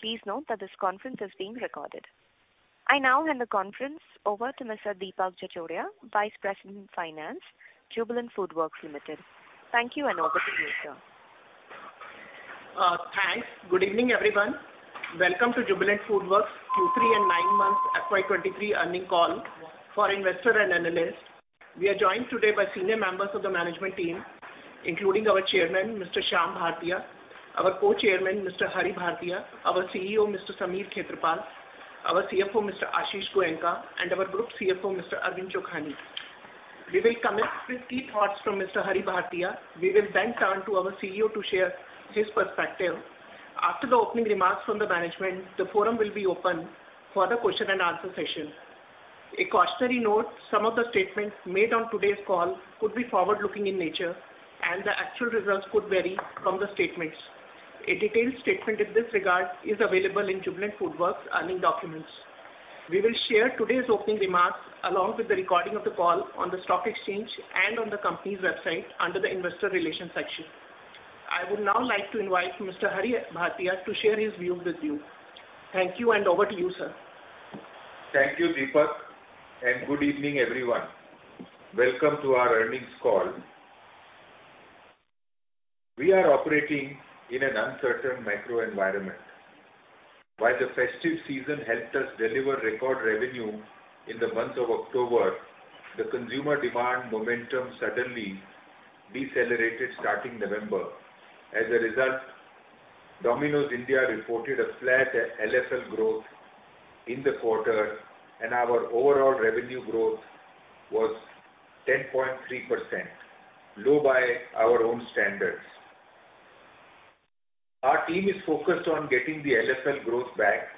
Please note that this conference is being recorded. I now hand the conference over to Mr. Deepak Jajodia, Vice President Finance, Jubilant FoodWorks Limited. Thank you, over to you, sir. Thanks. Good evening, everyone. Welcome to Jubilant FoodWorks Q3 and nine months FY23 earnings call for investor and analysts. We are joined today by senior members of the management team, including our Chairman, Mr. Shyam S Bhartia; our Co-Chairman, Mr. Hari S. Bhartia; our CEO, Mr. Sameer Khetarpal; our CFO, Mr. Ashish Goenka, and our Group CFO, Mr. Arvind Chokhany. We will commence with key thoughts from Mr. Hari S. Bhartia. We will then turn to our CEO to share his perspective. After the opening remarks from the management, the forum will be open for the question and answer session. A cautionary note, some of the statements made on today's call could be forward-looking in nature, and the actual results could vary from the statements. A detailed statement in this regard is available in Jubilant FoodWorks' earnings documents. We will share today's opening remarks along with the recording of the call on the stock exchange and on the company's website under the investor relations section. I would now like to invite Mr. Hari Bhartia to share his views with you. Thank you. Over to you, sir. Thank you, Deepak. Good evening, everyone. Welcome to our earnings call. We are operating in an uncertain macro environment. While the festive season helped us deliver record revenue in the month of October, the consumer demand momentum suddenly decelerated starting November. As a result, Domino's India reported a flat LSL growth in the quarter. Our overall revenue growth was 10.3%, low by our own standards. Our team is focused on getting the LSL growth back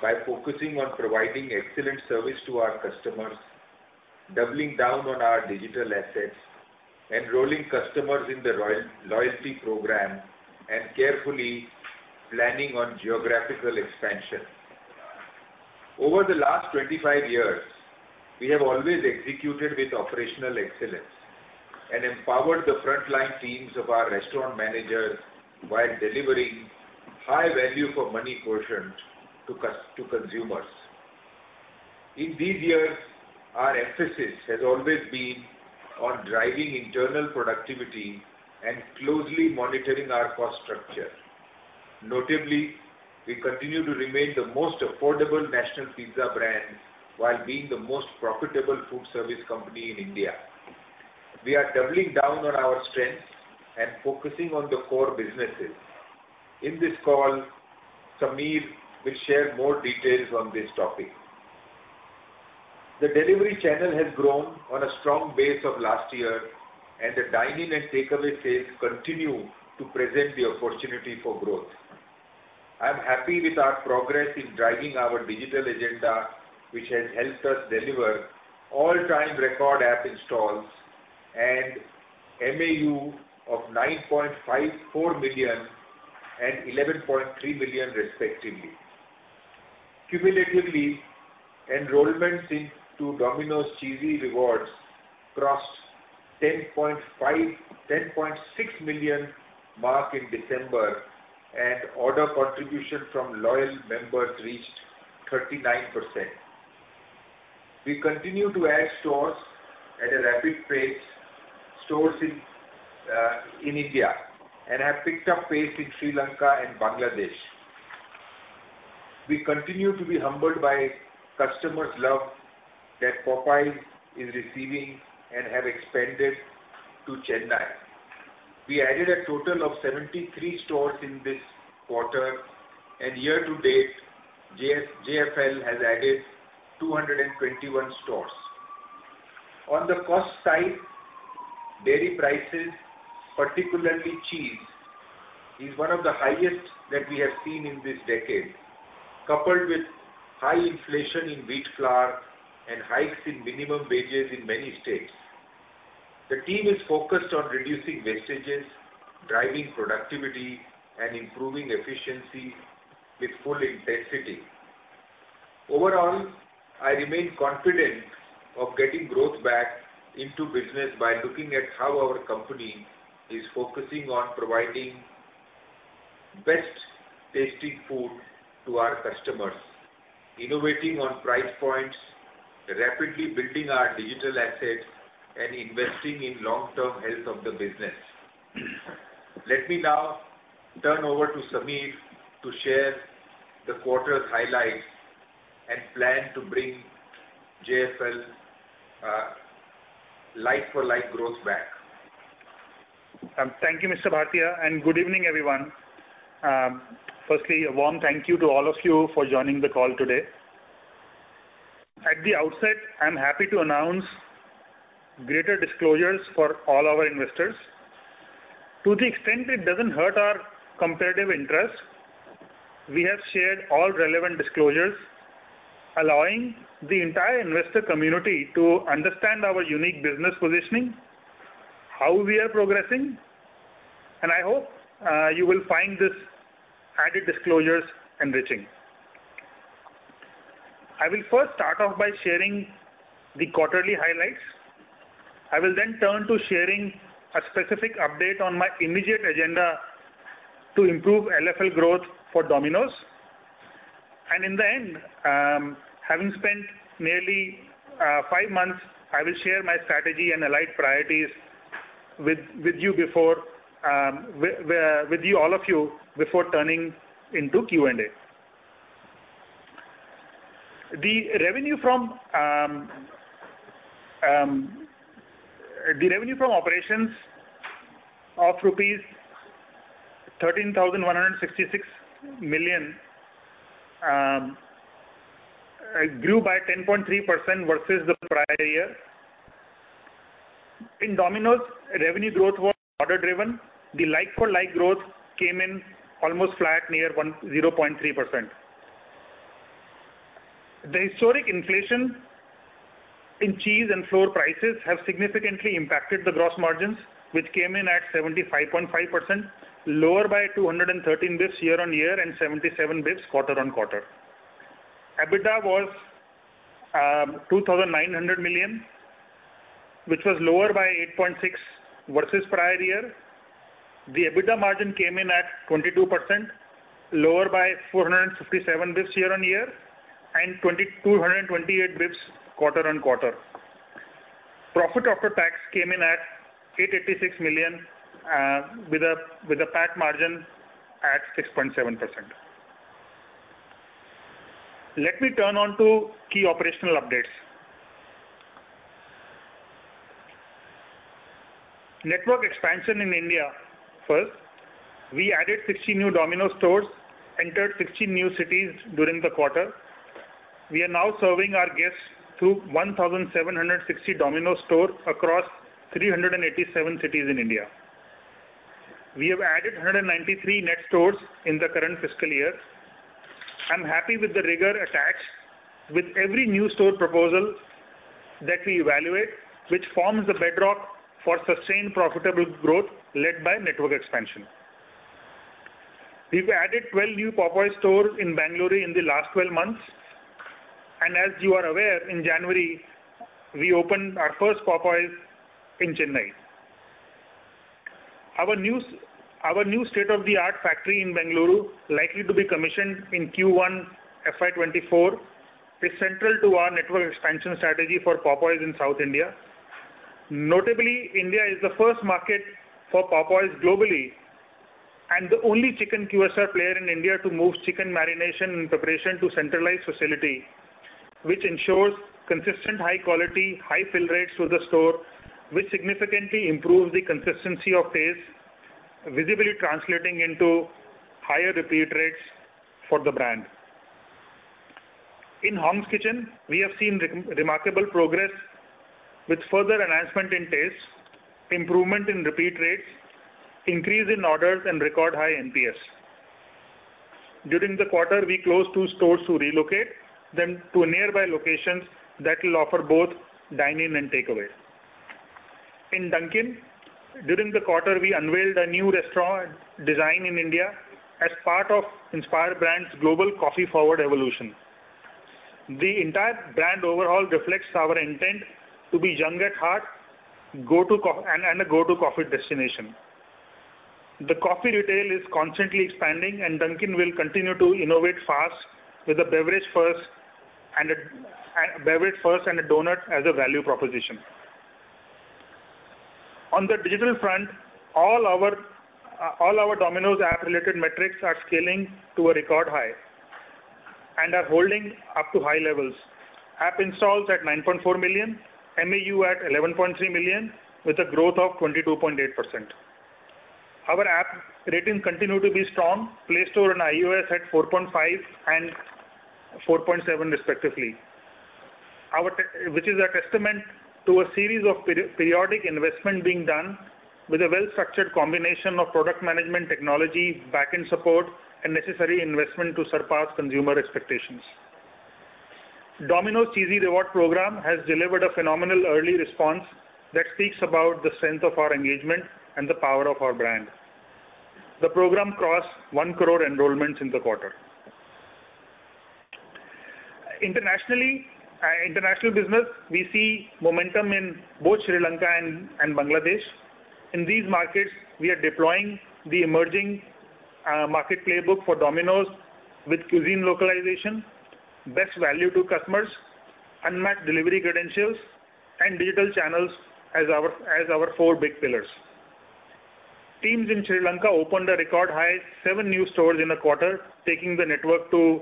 by focusing on providing excellent service to our customers, doubling down on our digital assets, enrolling customers in the loyalty program, and carefully planning on geographical expansion. Over the last 25 years, we have always executed with operational excellence and empowered the frontline teams of our restaurant managers while delivering high value for money quotient to consumers. In these years, our emphasis has always been on driving internal productivity and closely monitoring our cost structure. Notably, we continue to remain the most affordable national pizza brand while being the most profitable food service company in India. We are doubling down on our strengths and focusing on the core businesses. In this call, Sameer will share more details on this topic. The delivery channel has grown on a strong base of last year, and the dine-in and takeaway sales continue to present the opportunity for growth. I'm happy with our progress in driving our digital agenda, which has helped us deliver all-time record app installs and MAU of 9.54 million and 11.3 million respectively. Cumulatively, enrollments into Domino's Cheesy Rewards crossed 10.6 million mark in December, and order contribution from loyal members reached 39%. We continue to add stores at a rapid pace, stores in India, and have picked up pace in Sri Lanka and Bangladesh. We continue to be humbled by customers' love that Popeyes is receiving and have expanded to Chennai. We added a total of 73 stores in this quarter, and year to date, JFL has added 221 stores. On the cost side, dairy prices, particularly cheese, is one of the highest that we have seen in this decade, coupled with high inflation in wheat flour and hikes in minimum wages in many states. The team is focused on reducing wastages, driving productivity, and improving efficiency with full intensity. Overall, I remain confident of getting growth back into business by looking at how our company is focusing on providing best tasting food to our customers, innovating on price points, rapidly building our digital assets, and investing in long-term health of the business. Let me now turn over to Sameer to share the quarter's highlights and plan to bring JFL like-for-like growth back. Thank you, Mr. Bhartia, good evening, everyone. Firstly, a warm thank you to all of you for joining the call today. At the outset, I'm happy to announce greater disclosures for all our investors. To the extent it doesn't hurt our competitive interest, we have shared all relevant disclosures, allowing the entire investor community to understand our unique business positioning, how we are progressing, and I hope you will find this added disclosures enriching. I will first start off by sharing the quarterly highlights. I will turn to sharing a specific update on my immediate agenda to improve LFL growth for Domino's. In the end, having spent nearly five months, I will share my strategy and allied priorities with you all of you before turning into Q&A. The revenue from operations of rupees 13,166 million grew by 10.3% versus the prior year. In Domino's, revenue growth was order driven. The like-for-like growth came in almost flat near 0.3%. The historic inflation in cheese and floor prices have significantly impacted the gross margins, which came in at 75.5%, lower by 213 basis points year-over-year and 77 basis points quarter-over-quarter EBITDA was 2,900 million, which was lower by 8.6% versus prior year. The EBITDA margin came in at 22%, lower by 457 bps year-on-year and 128 bps quarter-on-quarter. Profit after tax came in at 886 million, with a PAT margin at 6.7%. Let me turn on to key operational updates. Network expansion in India. First, we added 60 new Domino's stores, entered 16 new cities during the quarter. We are now serving our guests through 1,760 Domino's stores across 387 cities in India. We have added 193 net stores in the current fiscal year. I'm happy with the rigor attached with every new store proposal that we evaluate, which forms the bedrock for sustained profitable growth led by network expansion. We've added 12 new Popeyes stores in Bengaluru in the last 12 months, and as you are aware, in January, we opened our first Popeyes in Chennai. Our new state-of-the-art factory in Bengaluru, likely to be commissioned in Q1 FY24, is central to our network expansion strategy for Popeyes in South India. Notably, India is the first market for Popeyes globally and the only chicken QSR player in India to move chicken marination in preparation to centralized facility, which ensures consistent high quality, high fill rates to the store, which significantly improves the consistency of taste, visibly translating into higher repeat rates for the brand. In Hong's Kitchen, we have seen remarkable progress with further enhancement in taste, improvement in repeat rates, increase in orders, and record high NPS. During the quarter, we closed two stores to relocate them to nearby locations that will offer both dine-in and takeaway. In Dunkin', during the quarter, we unveiled a new restaurant design in India as part of Inspire Brands' global coffee forward evolution. The entire brand overhaul reflects our intent to be young at heart and a go-to coffee destination. The coffee retail is constantly expanding. Dunkin' will continue to innovate fast with a beverage first and a donut as a value proposition. On the digital front, all our Domino's app related metrics are scaling to a record high and are holding up to high levels. App installs at 9.4 million, MAU at 11.3 million with a growth of 22.8%. Our app ratings continue to be strong. Play Store and iOS at 4.5 and 4.7 respectively. Which is a testament to a series of periodic investment being done with a well-structured combination of product management technology, back-end support, and necessary investment to surpass consumer expectations. Domino's Cheesy Reward program has delivered a phenomenal early response that speaks about the strength of our engagement and the power of our brand. The program crossed 1 crore enrollments in the quarter. Internationally, international business, we see momentum in both Sri Lanka and Bangladesh. In these markets, we are deploying the emerging market playbook for Domino's with cuisine localization, best value to customers, unmatched delivery credentials, and digital channels as our four big pillars. Teams in Sri Lanka opened a record high seven new stores in a quarter, taking the network to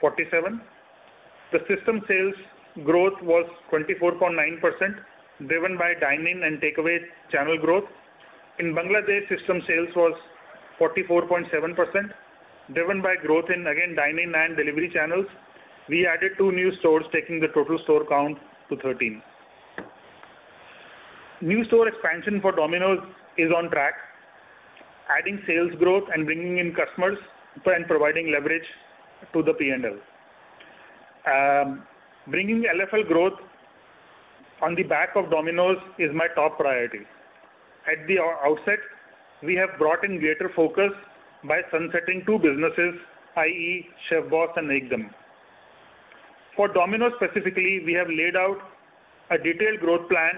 47. The system sales growth was 24.9%, driven by dine-in and takeaway channel growth. In Bangladesh, system sales was 44.7%, driven by growth in, again, dine-in and delivery channels. We added two new stores, taking the total store count to 13. New store expansion for Domino's is on track, adding sales growth and bringing in customers for and providing leverage to the P&L. Bringing the LFL growth on the back of Domino's is my top priority. At the outset, we have brought in greater focus by sunsetting two businesses, i.e. ChefBoss and MakeMyMeal. For Domino's specifically, we have laid out a detailed growth plan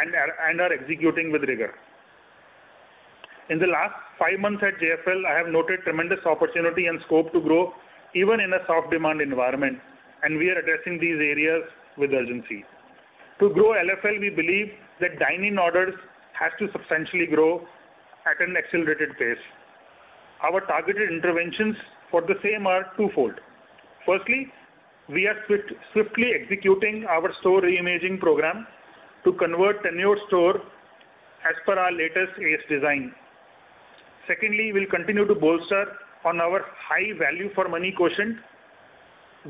and are executing with rigor. In the last five months at JFL, I have noted tremendous opportunity and scope to grow even in a soft demand environment, and we are addressing these areas with urgency. To grow LFL, we believe that dine-in orders has to substantially grow at an accelerated pace. Our targeted interventions for the same are twofold. Firstly, we are swiftly executing our store reimaging program to convert tenured store as per our latest AS design. Secondly, we'll continue to bolster on our high value for money quotient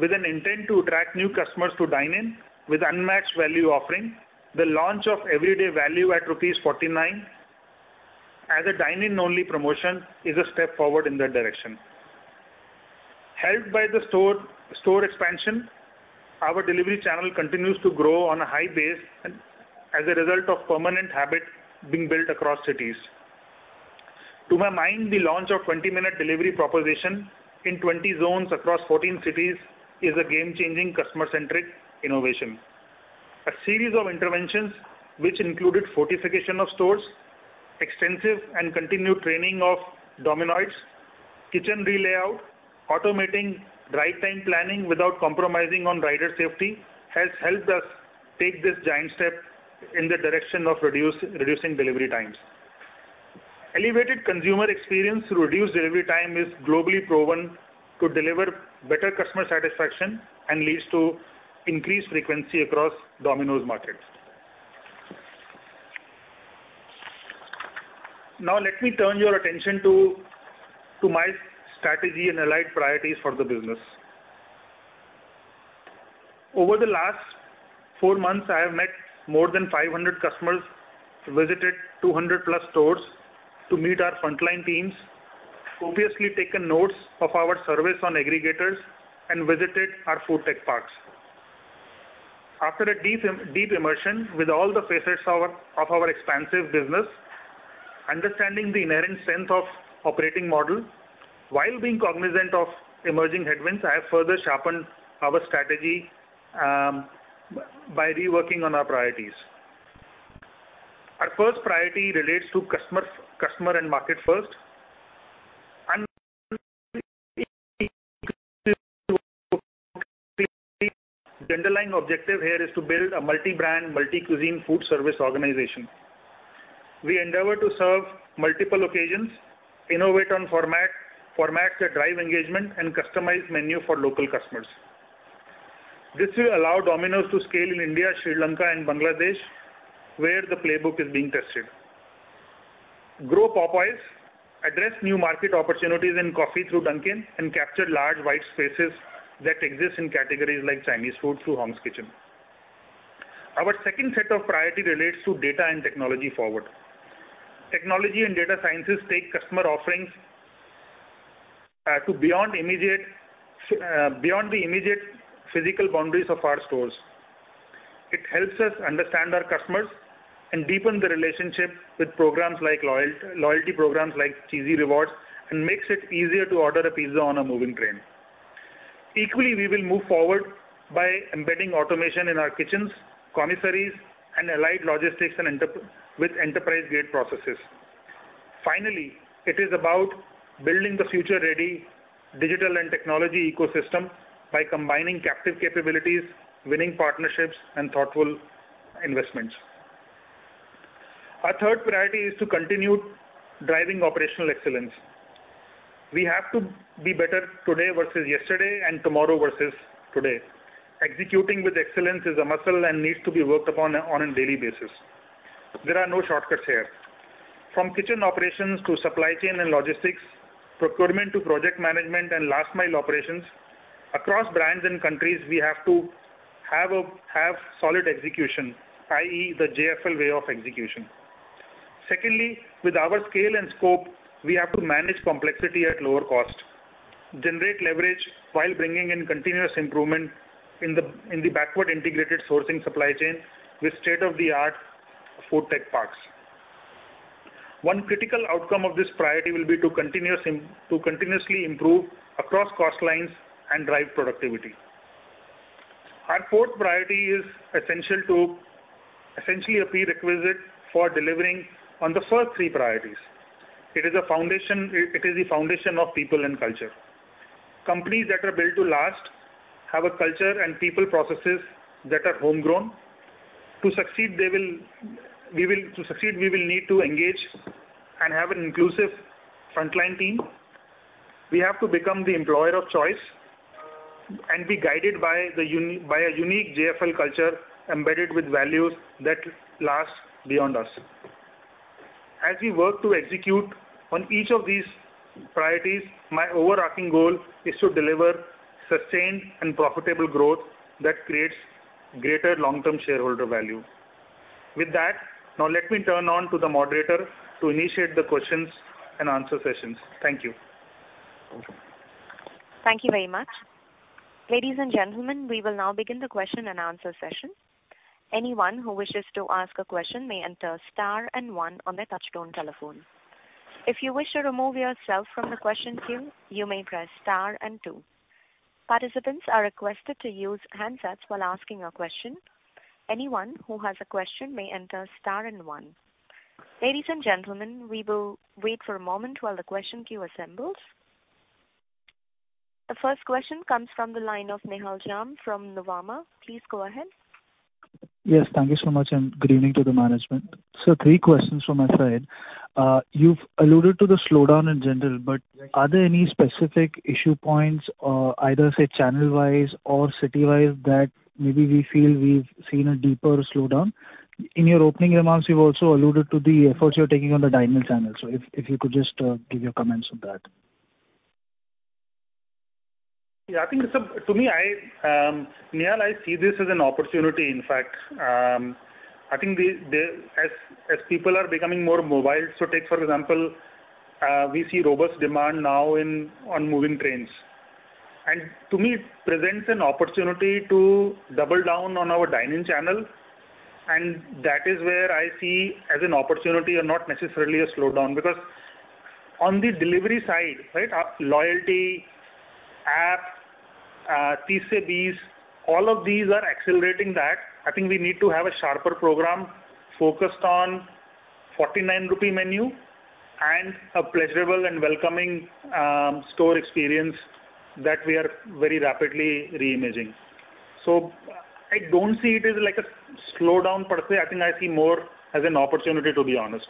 with an intent to attract new customers to dine in with unmatched value offering. The launch of Everyday Value at rupees 49 as a dine-in only promotion is a step forward in that direction. Helped by the store expansion, our delivery channel continues to grow on a high base and as a result of permanent habit being built across cities. To my mind, the launch of 20-minute delivery proposition in 20 zones across 14 cities is a game-changing customer-centric innovation. A series of interventions which included fortification of stores, extensive and continued training of Domino's, kitchen re-layout, automating drive time planning without compromising on rider safety, has helped us take this giant step in the direction of reducing delivery times. Elevated consumer experience through reduced delivery time is globally proven to deliver better customer satisfaction and leads to increased frequency across Domino's markets. Now, let me turn your attention to my strategy and allied priorities for the business. Over the last four months, I have met more than 500 customers, visited 200 plus stores to meet our frontline teams, copiously taken notes of our service on aggregators, and visited our food tech parks. After a deep immersion with all the facets of our expansive business, understanding the inherent strength of operating model, while being cognizant of emerging headwinds, I have further sharpened our strategy by reworking on our priorities. Our first priority relates to customers, customer and market first. The underlying objective here is to build a multi-brand, multi-cuisine food service organization. We endeavor to serve multiple occasions, innovate on format, formats that drive engagement and customize menu for local customers. This will allow Domino's to scale in India, Sri Lanka and Bangladesh, where the playbook is being tested. Grow Popeyes, address new market opportunities in coffee through Dunkin', and capture large white spaces that exist in categories like Chinese food through Hong's Kitchen. Our second set of priority relates to data and technology forward. Technology and data sciences take customer offerings to beyond immediate, beyond the immediate physical boundaries of our stores. It helps us understand our customers and deepen the relationship with programs like loyalty programs like Cheesy Rewards, and makes it easier to order a pizza on a moving train. Equally, we will move forward by embedding automation in our kitchens, commissaries and allied logistics and with enterprise-grade processes. Finally, it is about building the future-ready digital and technology ecosystem by combining captive capabilities, winning partnerships, and thoughtful investments. Our third priority is to continue driving operational excellence. We have to be better today versus yesterday and tomorrow versus today. Executing with excellence is a muscle and needs to be worked upon on a daily basis. There are no shortcuts here. From kitchen operations to supply chain and logistics, procurement to project management and last mile operations, across brands and countries, we have to have solid execution, i.e. the JFL way of execution. Secondly, with our scale and scope, we have to manage complexity at lower cost, generate leverage while bringing in continuous improvement in the backward integrated sourcing supply chain with state-of-the-art food tech parks. One critical outcome of this priority will be to continuously improve across cost lines and drive productivity. Our fourth priority is essentially a prerequisite for delivering on the first three priorities. It is a foundation, it is the foundation of people and culture. Companies that are built to last have a culture and people processes that are homegrown. To succeed, we will need to engage and have an inclusive frontline team. We have to become the employer of choice and be guided by a unique JFL culture embedded with values that last beyond us. As we work to execute on each of these priorities, my overarching goal is to deliver sustained and profitable growth that creates greater long-term shareholder value. With that, now let me turn on to the moderator to initiate the questions and answer sessions. Thank you. Thank you very much. Ladies and gentlemen, we will now begin the question and answer session. Anyone who wishes to ask a question may enter star and one on their touchtone telephone. If you wish to remove yourself from the question queue, you may press star and two. Participants are requested to use handsets while asking a question. Anyone who has a question may enter star and one. Ladies and gentlemen, we will wait for a moment while the question queue assembles. The first question comes from the line of Nihal Jham from Nuvama. Please go ahead. Yes. Thank you so much, and good evening to the management. three questions from my side. You've alluded to the slowdown in general, but are there any specific issue points or either, say, channel-wise or city-wide that maybe we feel we've seen a deeper slowdown? In your opening remarks, you've also alluded to the efforts you're taking on the dine-in channel. If, if you could just give your comments on that. Yeah, I think it's To me, I, Nihal, I see this as an opportunity in fact. I think As people are becoming more mobile, so take for example, we see robust demand now in, on moving trains. To me it presents an opportunity to double down on our dine-in channel, and that is where I see as an opportunity and not necessarily a slowdown. Because on the delivery side, right, loyalty, app, TCBs, all of these are accelerating that. I think we need to have a sharper program focused on 49 rupee menu and a pleasurable and welcoming store experience that we are very rapidly reimaging. I don't see it as like a slowdown per se. I think I see more as an opportunity to be honest.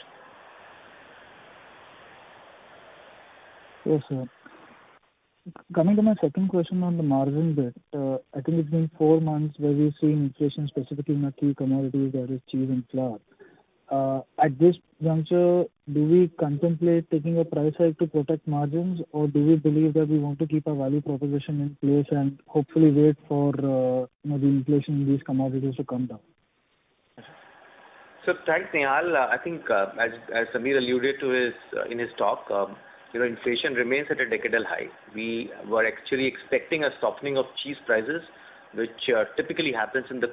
Yes, sir. Coming to my second question on the margin bit. I think it's been four months where we've seen inflation specifically in the key commodities that is cheese and flour. At this juncture, do we contemplate taking a price hike to protect margins? Do we believe that we want to keep our value proposition in place and hopefully wait for, you know, the inflation in these commodities to come down? Thanks, Nihal. I think, as Sameer alluded to his, in his talk, you know, inflation remains at a decadal high. We were actually expecting a softening of cheese prices, which typically happens in the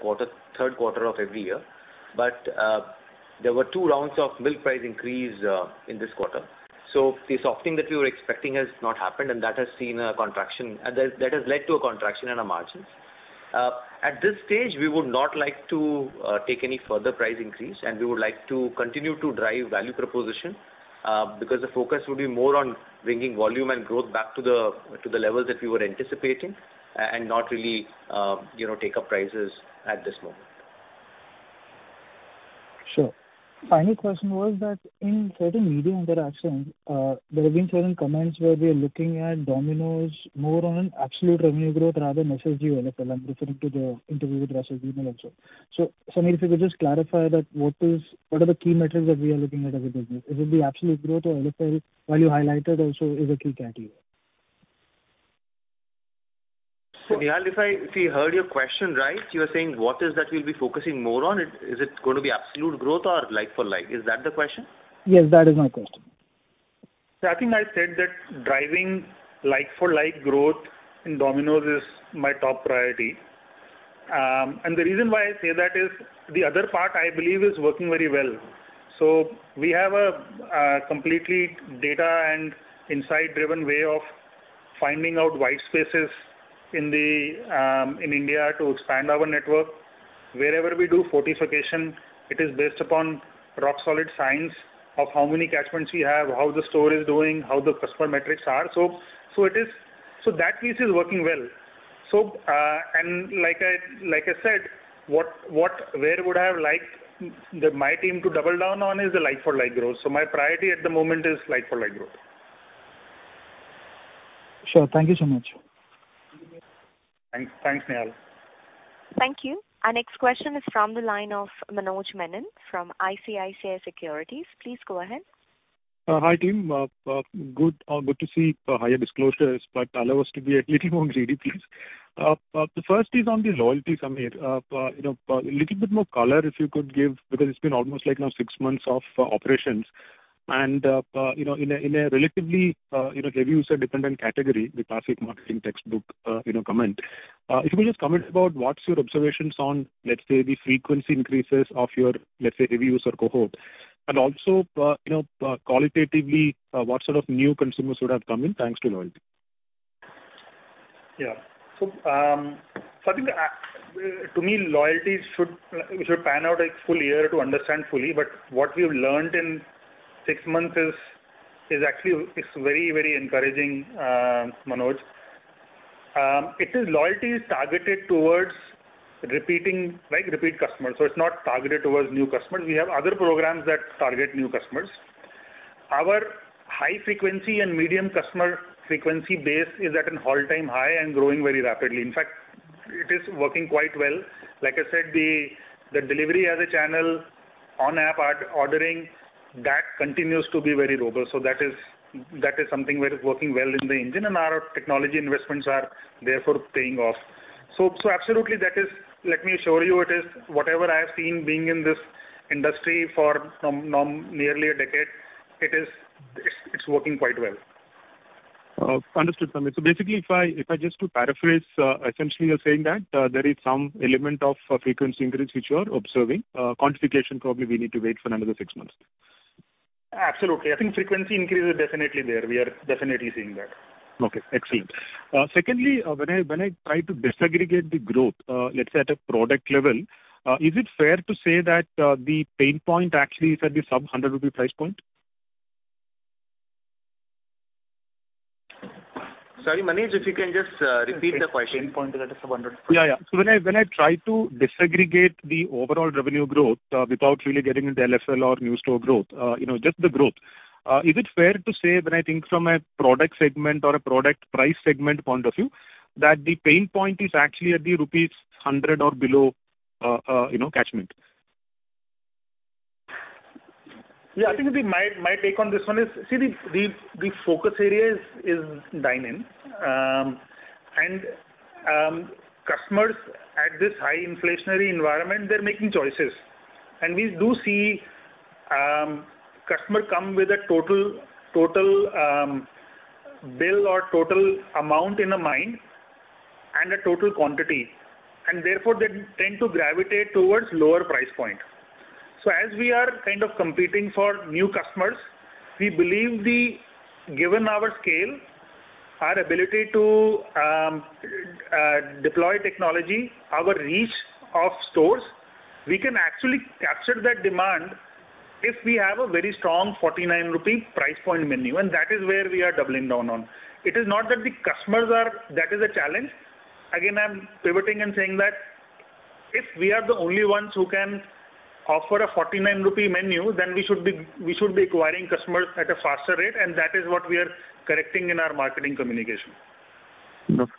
third quarter of every year. There were two rounds of milk price increase in this quarter. The softening that we were expecting has not happened, and that has seen a contraction, that has led to a contraction in our margins. At this stage, we would not like to take any further price increase. We would like to continue to drive value proposition, because the focus would be more on bringing volume and growth back to the levels that we were anticipating and not really, you know, take up prices at this moment. Sure. Final question was that in certain media interactions, there have been certain comments where we are looking at Domino's more on an absolute revenue growth rather than SSG LFL. I'm referring to the interview with Russell Weiner also. Sameer, if you could just clarify that what are the key metrics that we are looking at as a business? Is it the absolute growth or LFL value highlighted also is a key KPI? Nihal, if we heard your question right, you are saying what is that we'll be focusing more on? Is it going to be absolute growth or like for like? Is that the question? Yes, that is my question. I think I said that driving like for like growth in Domino's is my top priority. And the reason why I say that is the other part I believe is working very well. We have a completely data and insight driven way of finding out white spaces in India to expand our network. Wherever we do fortification, it is based upon rock solid signs of how many catchments we have, how the store is doing, how the customer metrics are. That piece is working well. And like I said, where would I have liked my team to double down on is the like for like growth. My priority at the moment is like for like growth. Sure. Thank you so much. Thanks. Thanks, Nihal. Thank you. Our next question is from the line of Manoj Menon from ICICI Securities. Please go ahead. Hi team. Good to see higher disclosures, but allow us to be a little more greedy, please. The first is on the loyalty, Sameer. You know, a little bit more color if you could give because it's been almost like now six months of operations and, you know, in a, in a relatively, you know, heavy user dependent category, the classic marketing textbook, you know, comment. If you could just comment about what's your observations on, let's say the frequency increases of your, let's say heavy user cohort. Also, you know, qualitatively, what sort of new consumers would have come in thanks to loyalty? Yeah. I think, to me, loyalty, we should pan out a full year to understand fully. What we've learned in six months is actually it's very, very encouraging, Manoj. Loyalty is targeted towards like repeat customers, so it's not targeted towards new customers. We have other programs that target new customers. Our high frequency and medium customer frequency base is at an all-time high and growing very rapidly. In fact, it is working quite well. Like I said, the delivery as a channel on app or-ordering, that continues to be very robust. That is something that is working well in the engine and our technology investments are therefore paying off. Absolutely that is, let me assure you it is whatever I have seen being in this industry for some nearly a decade, it is, it's working quite well. Understood, Amit. Basically, if I just to paraphrase, essentially you're saying that, there is some element of frequency increase which you are observing. Quantification probably we need to wait for another six months. Absolutely. I think frequency increase is definitely there. We are definitely seeing that. Okay, excellent. Secondly, when I try to disaggregate the growth, let's say at a product level, is it fair to say that the pain point actually is at the sub-INR 100 price point? Sorry, Manoj, if you can just repeat the question. The pain point that is the sub-INR 100 Yeah. When I, when I try to disaggregate the overall revenue growth, without really getting into LSL or new store growth, you know, just the growth. Is it fair to say when I think from a product segment or a product price segment point of view, that the pain point is actually at the rupees 100 or below, you know, catchment? Yeah, I think my take on this one is, see, the focus area is dine in. Customers at this high inflationary environment, they're making choices. We do see customer come with a total bill or total amount in mind and a total quantity, and therefore they tend to gravitate towards lower price point. As we are kind of competing for new customers, we believe the... given our scale, our ability to deploy technology, our reach of stores, we can actually capture that demand if we have a very strong 49 rupee price point menu. That is where we are doubling down on. It is not that the customers are, that is a challenge. Again, I'm pivoting and saying that if we are the only ones who can offer a 49 rupee menu, then we should be acquiring customers at a faster rate, and that is what we are correcting in our marketing communication.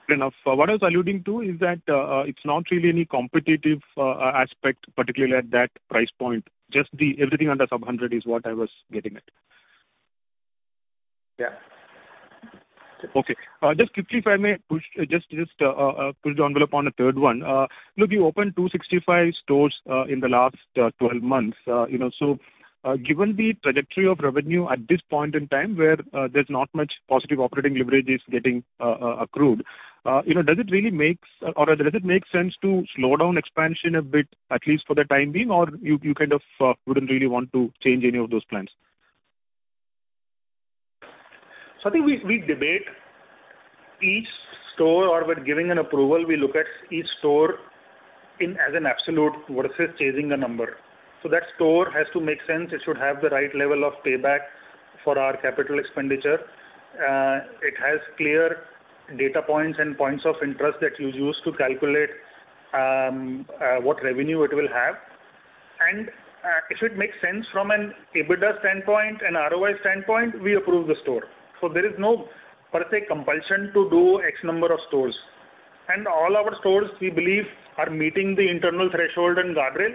Fair enough. What I was alluding to is that, it's not really any competitive, aspect, particularly at that price point. Just the everything under sub 100 is what I was getting at. Yeah. Okay. Just quickly, if I may push, just push the envelope on a third one. Look, you opened 265 stores in the last 12 months. You know, so, given the trajectory of revenue at this point in time, where there's not much positive operating leverage is getting accrued, you know, does it really makes or does it make sense to slow down expansion a bit, at least for the time being? Or you kind of wouldn't really want to change any of those plans? I think we debate each store or we're giving an approval, we look at each store in as an absolute versus chasing a number. That store has to make sense. It should have the right level of payback for our capital expenditure. It has clear data points and points of interest that you use to calculate what revenue it will have. If it makes sense from an EBITDA standpoint and ROI standpoint, we approve the store. There is no per se compulsion to do X number of stores. All our stores, we believe, are meeting the internal threshold and guardrail.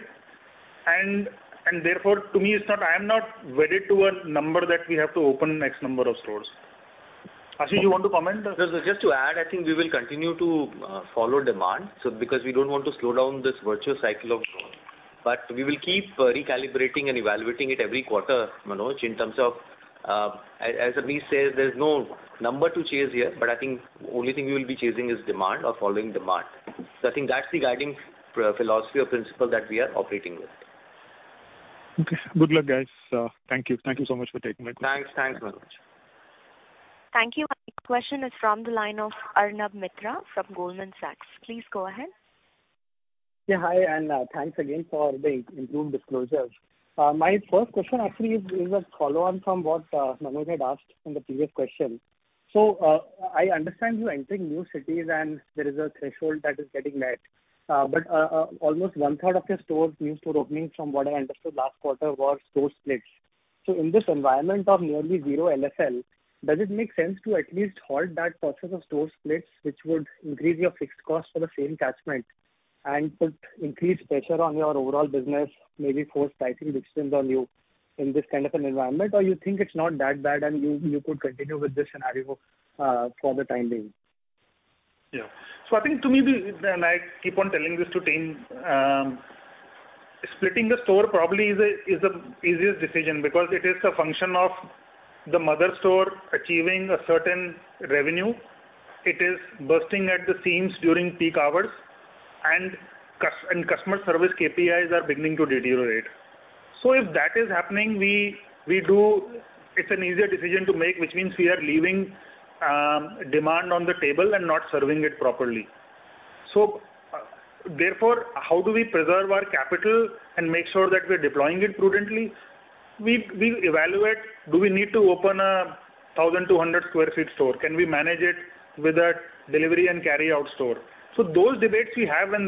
Therefore, to me, I am not wedded to a number that we have to open X number of stores. Ashish, you want to comment? Just to add, I think we will continue to follow demand. Because we don't want to slow down this virtual cycle of growth. We will keep recalibrating and evaluating it every quarter, Manoj, in terms of, as Amit says, there's no number to chase here, but I think only thing we will be chasing is demand or following demand. I think that's the guiding philosophy or principle that we are operating with. Okay. Good luck, guys. Thank you. Thank you so much for taking my call. Thanks. Thanks, Manoj. Thank you. Next question is from the line of Arnab Mitra from Goldman Sachs. Please go ahead. Hi, thanks again for the improved disclosures. My first question actually is a follow on from what Manoj had asked in the previous question. I understand you're entering new cities and there is a threshold that is getting met. Almost one third of your store new store openings from what I understood last quarter were store splits. In this environment of nearly zero LSL, does it make sense to at least halt that process of store splits, which would increase your fixed cost for the same catchment and put increased pressure on your overall business, maybe force pricing decisions on you in this kind of an environment? You think it's not that bad and you could continue with this scenario for the time being? I think to me, and I keep on telling this to team, splitting a store probably is the easiest decision because it is a function of the mother store achieving a certain revenue. It is bursting at the seams during peak hours and customer service KPIs are beginning to deteriorate. If that is happening, we do. It's an easier decision to make, which means we are leaving demand on the table and not serving it properly. Therefore, how do we preserve our capital and make sure that we're deploying it prudently? We evaluate, do we need to open a 1,200 sq ft store? Can we manage it with a delivery and carry out store? Those debates we have. If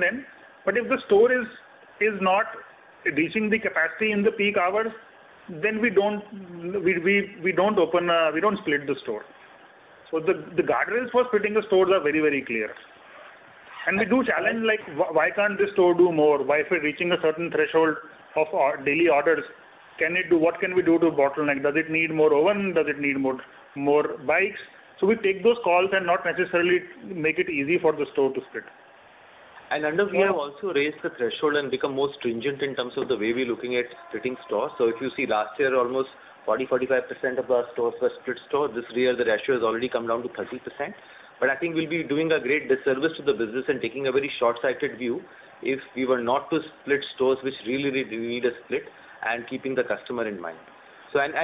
the store is not reaching the capacity in the peak hours, then we don't split the store. The guardrails for splitting the stores are very, very clear. We do challenge, like, why can't this store do more? Why if we're reaching a certain threshold of our daily orders, what can we do to bottleneck? Does it need more oven? Does it need more bikes? We take those calls and not necessarily make it easy for the store to split. Arnab, we have also raised the threshold and become more stringent in terms of the way we're looking at splitting stores. If you see last year, almost 40%-45% of our stores were split store. This year the ratio has already come down to 30%. I think we'll be doing a great disservice to the business and taking a very short-sighted view if we were not to split stores which really we need a split, and keeping the customer in mind.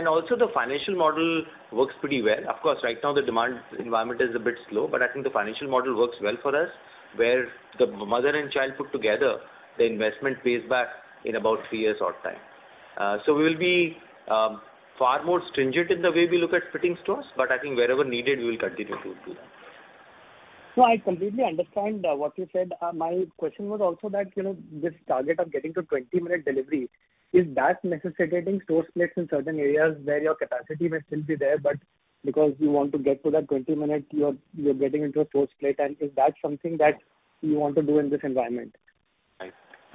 Also, the financial model works pretty well. Of course, right now the demand environment is a bit slow, but I think the financial model works well for us, where the mother and child put together the investment pays back in about three years or time. We will be far more stringent in the way we look at splitting stores, but I think wherever needed we will continue to do that. No, I completely understand what you said. My question was also that, you know, this target of getting to 20-minute delivery, is that necessitating store splits in certain areas where your capacity may still be there, but because you want to get to that 20 minutes, you're getting into a store split. Is that something that you want to do in this environment?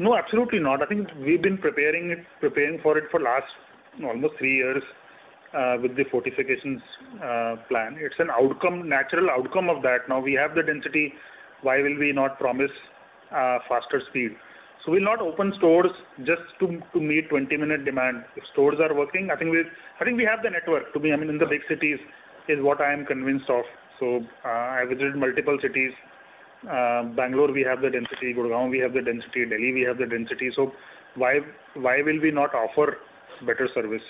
No, absolutely not. I think we've been preparing it, preparing for it for last almost three years, with the fortifications, plan. It's an outcome, natural outcome of that. Now we have the density, why will we not promise, faster speed? We'll not open stores just to meet 20-minute demand. If stores are working, I think we have the network to be, I mean, in the big cities, is what I am convinced of. I visited multiple cities. Bangalore we have the density, Gurgaon we have the density, Delhi we have the density. Why will we not offer better service?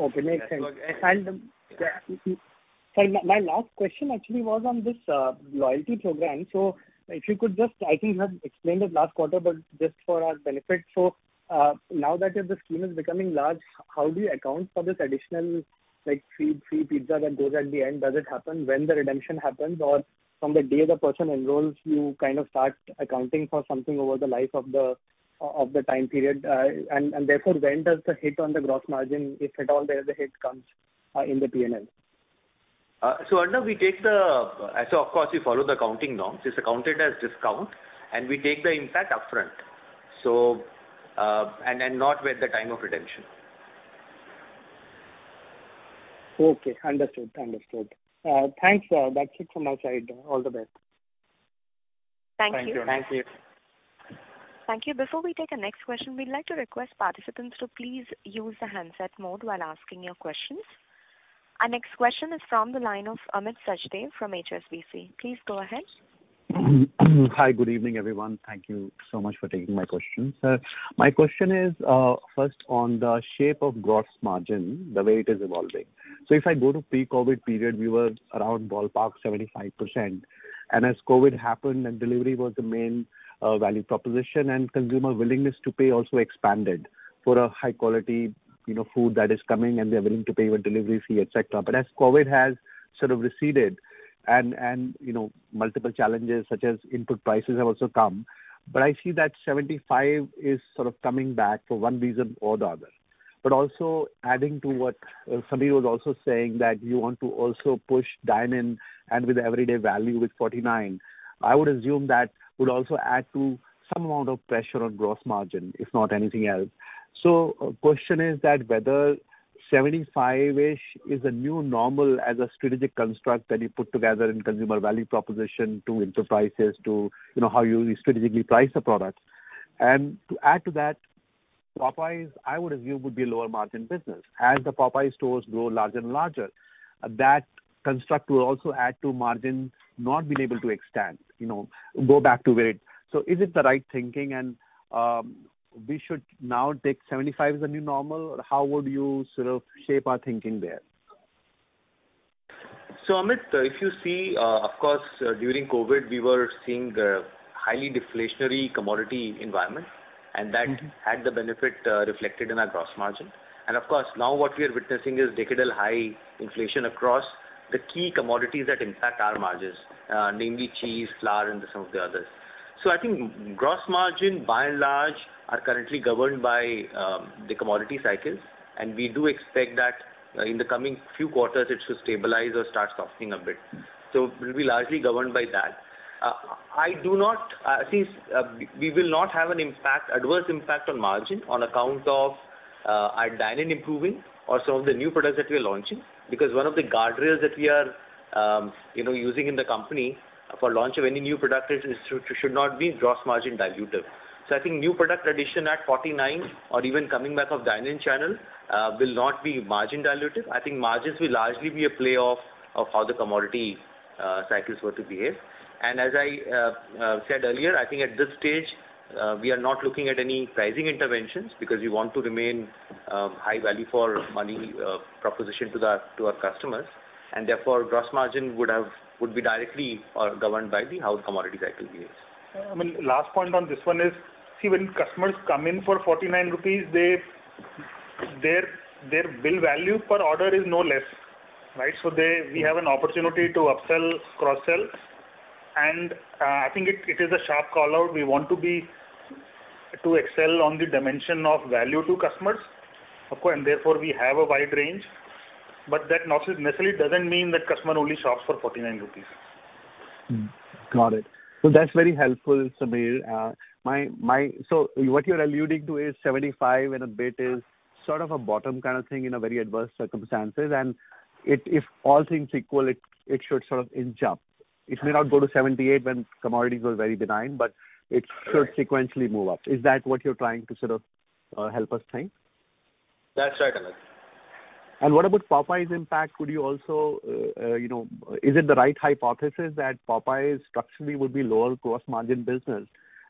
Okay, makes sense. My last question actually was on this loyalty program. If you could just, I think you have explained it last quarter, but just for our benefit. Now that if the scheme is becoming large, how do you account for this additional like free pizza that goes at the end? Does it happen when the redemption happens? Or from the day the person enrolls, you kind of start accounting for something over the life of the time period? Therefore, when does the hit on the gross margin, if at all there's a hit, comes in the P&L? Arnab, of course we follow the accounting norms. It's accounted as discount and we take the impact upfront, and then not with the time of redemption. Okay, understood. Understood. Thanks. That's it from my side. All the best. Thank you. Thank you. Thank you. Before we take our next question, we'd like to request participants to please use the handset mode while asking your questions. Our next question is from the line of Amit Sachdeva from HSBC. Please go ahead. Hi. Good evening, everyone. Thank you so much for taking my question. Sir, my question is, first on the shape of gross margin, the way it is evolving. If I go to pre-COVID period, we were around ballpark 75%. As COVID happened and delivery was the main value proposition and consumer willingness to pay also expanded for a high quality, you know, food that is coming and they're willing to pay even delivery fee, et cetera. As COVID has sort of receded and, you know, multiple challenges such as input prices have also come. I see that 75% is sort of coming back for one reason or the other. But also adding to what Sameer was also saying that you want to also push dine-in and with Everyday Value with 49, I would assume that would also add to some amount of pressure on gross margin, if not anything else. Question is that whether 75%-ish is the new normal as a strategic construct that you put together in consumer value proposition to input prices to, you know, how you strategically price a product. To add to that, Popeyes, I would assume, would be a lower margin business. As the Popeyes stores grow larger and larger, that construct will also add to margin not being able to expand, you know, go back to where it... Is it the right thinking and we should now take 75% as the new normal? Or how would you sort of shape our thinking there? Amit, if you see, of course, during COVID we were seeing a highly deflationary commodity environment, and that had the benefit reflected in our gross margin. Of course, now what we are witnessing is decadal high inflation across the key commodities that impact our margins, namely cheese, flour and some of the others. I think gross margin by and large are currently governed by the commodity cycles. We do expect that, in the coming few quarters it should stabilize or start softening a bit. It will be largely governed by that. I do not, since, we will not have an impact, adverse impact on margin on account of, our dine-in improving or some of the new products that we're launching, because one of the guardrails that we are, you know, using in the company for launch of any new product is, should not be gross margin dilutive. I think new product addition at 49 or even coming back of dine-in channel, will not be margin dilutive. I think margins will largely be a play off of how the commodity, cycles were to behave. As I said earlier, I think at this stage, we are not looking at any pricing interventions because we want to remain high value for money proposition to our customers, and therefore gross margin would be directly governed by the how the commodity cycle behaves. I mean, last point on this one is, see, when customers come in for 49 rupees, their bill value per order is no less, right? We have an opportunity to upsell, cross-sell. I think it is a sharp call-out. We want to excel on the dimension of value to customers, of course, and therefore we have a wide range. That necessarily doesn't mean that customer only shops for 49 rupees. Got it. That's very helpful, Sameer. What you're alluding to is 75 and a bit is sort of a bottom kind of thing in a very adverse circumstances. If all things equal, it should sort of inch up. It may not go to 78 when commodities are very benign, but it should sequentially move up. Is that what you're trying to sort of, help us think? That's right, Amit. What about Popeyes impact? Could you also, you know, is it the right hypothesis that Popeyes structurally would be lower gross margin business,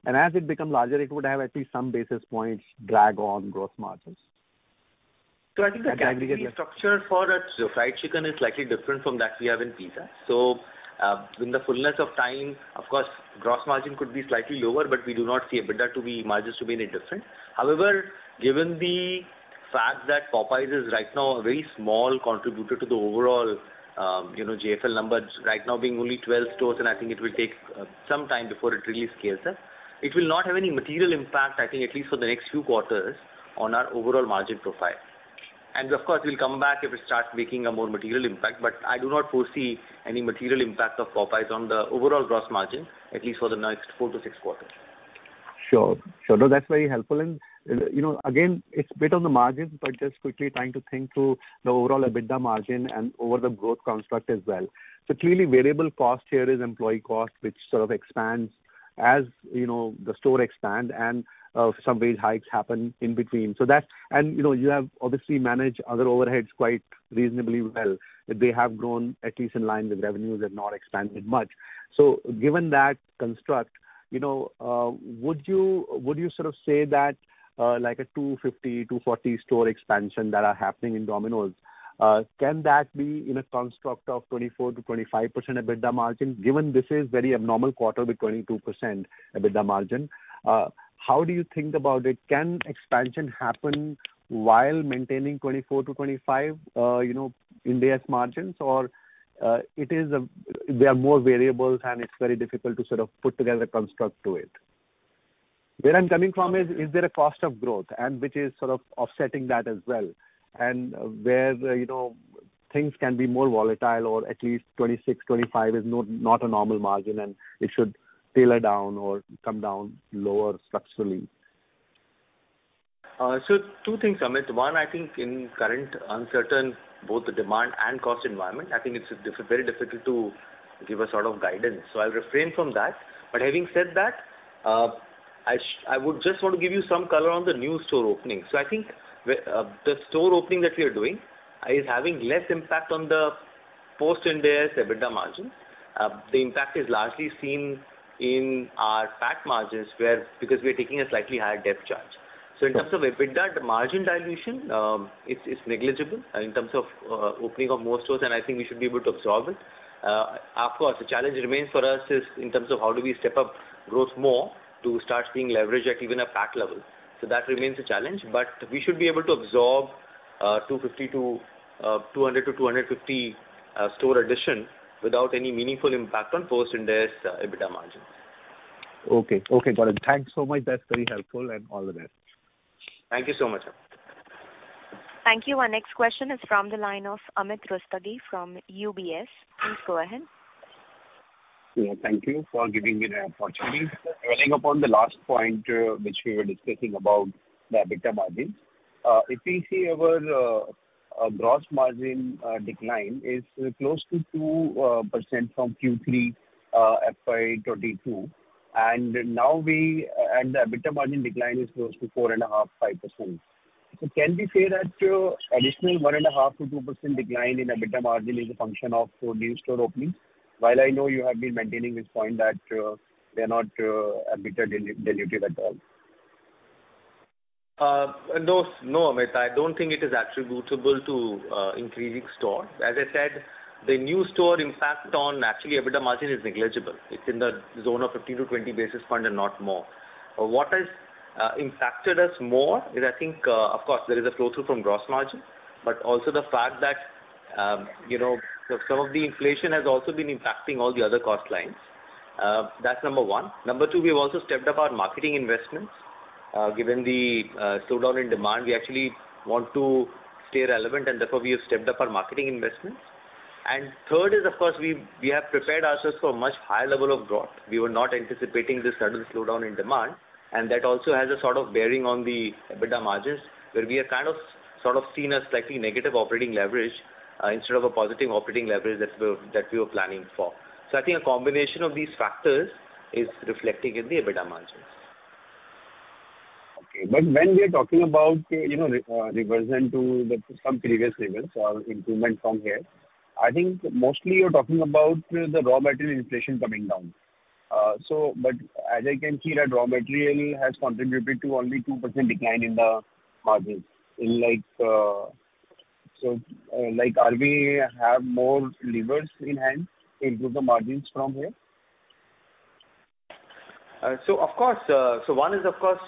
and as it become larger, it would have at least some basis points drag on growth margins? I think the category structure for a fried chicken is slightly different from that we have in pizza. In the fullness of time, of course, gross margin could be slightly lower, but we do not see EBITDA margins to be any different. However, given the fact that Popeyes is right now a very small contributor to the overall, you know, JFL numbers right now being only 12 stores, and I think it will take some time before it really scales up. It will not have any material impact, I think at least for the next few quarters on our overall margin profile. Of course, we'll come back if it starts making a more material impact. I do not foresee any material impact of Popeyes on the overall gross margin, at least for the next four to six quarters. Sure. Sure. That's very helpful. You know, again, it's a bit on the margins, but just quickly trying to think through the overall EBITDA margin and over the growth construct as well. Clearly variable cost here is employee cost, which sort of expands as, you know, the store expand and some wage hikes happen in between. You know, you have obviously managed other overheads quite reasonably well. They have grown at least in line with revenues and not expanded much. Given that construct, you know, would you sort of say that, like a 250, 240 store expansion that are happening in Domino's, can that be in a construct of 24%-25% EBITDA margin, given this is very abnormal quarter with 22% EBITDA margin? How do you think about it? Can expansion happen while maintaining 24%-25%, you know, India's margins? There are more variables and it's very difficult to sort of put together a construct to it. Where I'm coming from is there a cost of growth and which is sort of offsetting that as well? Where, you know, things can be more volatile or at least 26%, 25% is not a normal margin and it should tailor down or come down lower structurally. Two things, Amit. One, I think in current uncertain both the demand and cost environment, I think it's very difficult to give a sort of guidance. I'll refrain from that. But having said that, I would just want to give you some color on the new store opening. I think we're, the store opening that we are doing is having less impact on the post-Ind AS EBITDA margin. The impact is largely seen in our pack margins where because we are taking a slightly higher debt charge. In terms of EBITDA, the margin dilution, it's negligible in terms of opening of more stores, and I think we should be able to absorb it. Of course, the challenge remains for us is in terms of how do we step up growth more to start seeing leverage at even a pack level. That remains a challenge, but we should be able to absorb 200 to 250 store addition without any meaningful impact on post-Ind AS EBITDA margin. Okay. Okay, got it. Thanks so much. That's very helpful. All the best. Thank you so much. Thank you. Our next question is from the line of Amit Rustagi from UBS. Please go ahead. Thank you for giving me the opportunity. Building upon the last point, which we were discussing about the EBITDA margin. If we see our gross margin decline is close to 2% from Q3 FY22, and the EBITDA margin decline is close to 4.5%, 5%. Can we say that additional 1.5%-2% decline in EBITDA margin is a function of new store opening? While I know you have been maintaining this point that they're not EBITDA de-dilutive at all. No, Amit, I don't think it is attributable to increasing store. As I said, the new store impact on actually EBITDA margin is negligible. It's in the zone of 15-20 basis point and not more. What has impacted us more is I think, of course there is a flow through from gross margin, but also the fact that, you know, some of the inflation has also been impacting all the other cost lines. That's number one. Number two, we've also stepped up our marketing investments. Given the slowdown in demand, we actually want to stay relevant and therefore we have stepped up our marketing investments. Third is, of course, we have prepared ourselves for much higher level of growth. We were not anticipating this sudden slowdown in demand. That also has a sort of bearing on the EBITDA margins, where we are kind of, sort of seen a slightly negative operating leverage, instead of a positive operating leverage that we were planning for. I think a combination of these factors is reflecting in the EBITDA margins. Okay. When we are talking about, you know, reversion to the some previous levels or improvement from here, I think mostly you're talking about the raw material inflation coming down. As I can see that raw material has contributed to only 2% decline in the margins in like, are we have more levers in hand to improve the margins from here? Of course. One is of course,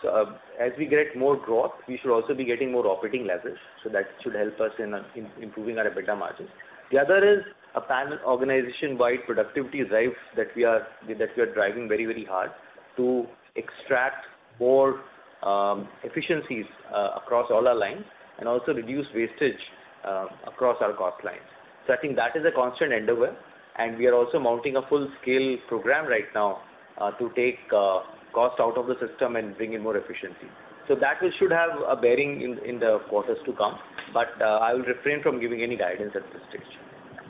as we get more growth, we should also be getting more operating leverage. That should help us in improving our EBITDA margins. The other is a planned organization-wide productivity drives that we are driving very, very hard to extract more efficiencies across all our lines and also reduce wastage across our cost lines. I think that is a constant endeavor, and we are also mounting a full-scale program right now to take cost out of the system and bring in more efficiency. That one should have a bearing in the quarters to come. I will refrain from giving any guidance at this stage.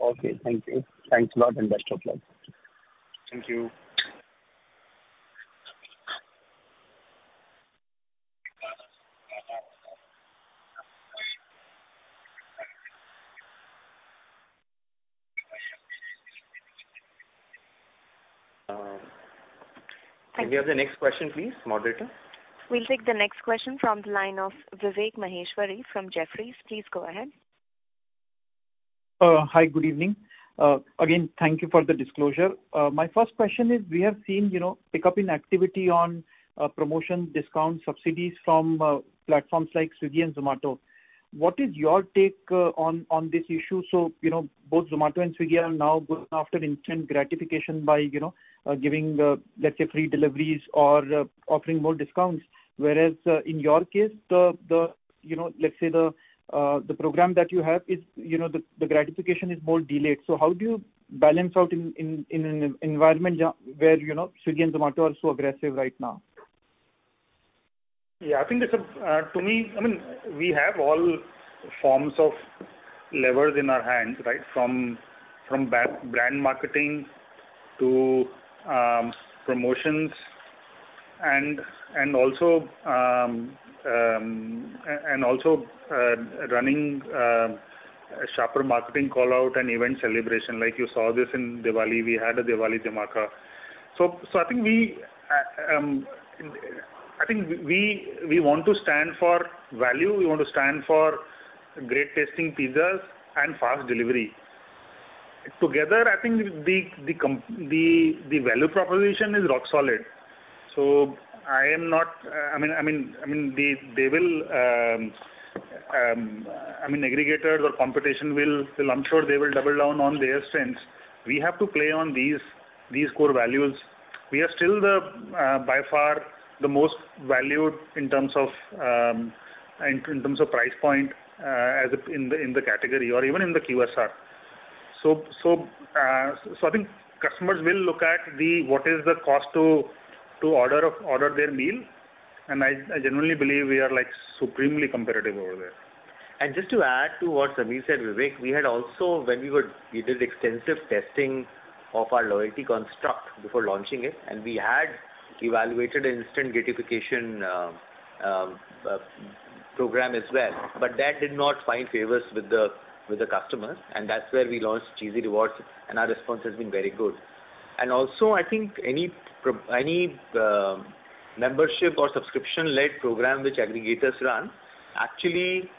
Okay, thank you. Thanks a lot and best of luck. Thank you. Can we have the next question, please, moderator? We'll take the next question from the line of Vivek Maheshwari from Jefferies. Please go ahead. Hi, good evening. Again, thank you for the disclosure. My first question is we have seen, you know, pickup in activity on promotion discount subsidies from platforms like Swiggy and Zomato. What is your take on this issue? You know, both Zomato and Swiggy are now going after instant gratification by, you know, giving the, let's say, free deliveries or offering more discounts. Whereas, in your case, the, you know, let's say the program that you have is, you know, the gratification is more delayed. How do you balance out in an environment where, you know, Swiggy and Zomato are so aggressive right now? Yeah, I think it's a, to me, I mean, we have all forms of levers in our hands, right? From brand marketing to promotions and also running shopper marketing call-out and event celebration. Like, you saw this in Diwali. We had a Diwali Dhamaka. I think we want to stand for value. We want to stand for great tasting pizzas and fast delivery. Together, I think the value proposition is rock solid. I am not I mean aggregators or competition will ensure they will double down on their strengths. We have to play on these core values. We are still the by far, the most valued in terms of price point, as in the category or even in the QSR. I think customers will look at what is the cost to order their meal, and I generally believe we are, like, supremely competitive over there. Just to add to what Sameer said, Vivek, we had also when we did extensive testing of our loyalty construct before launching it, and we had evaluated an instant gratification program as well. That did not find favors with the customers, and that's where we launched Cheesy Rewards, and our response has been very good. Also, I think any membership or subscription-led program which aggregators run actually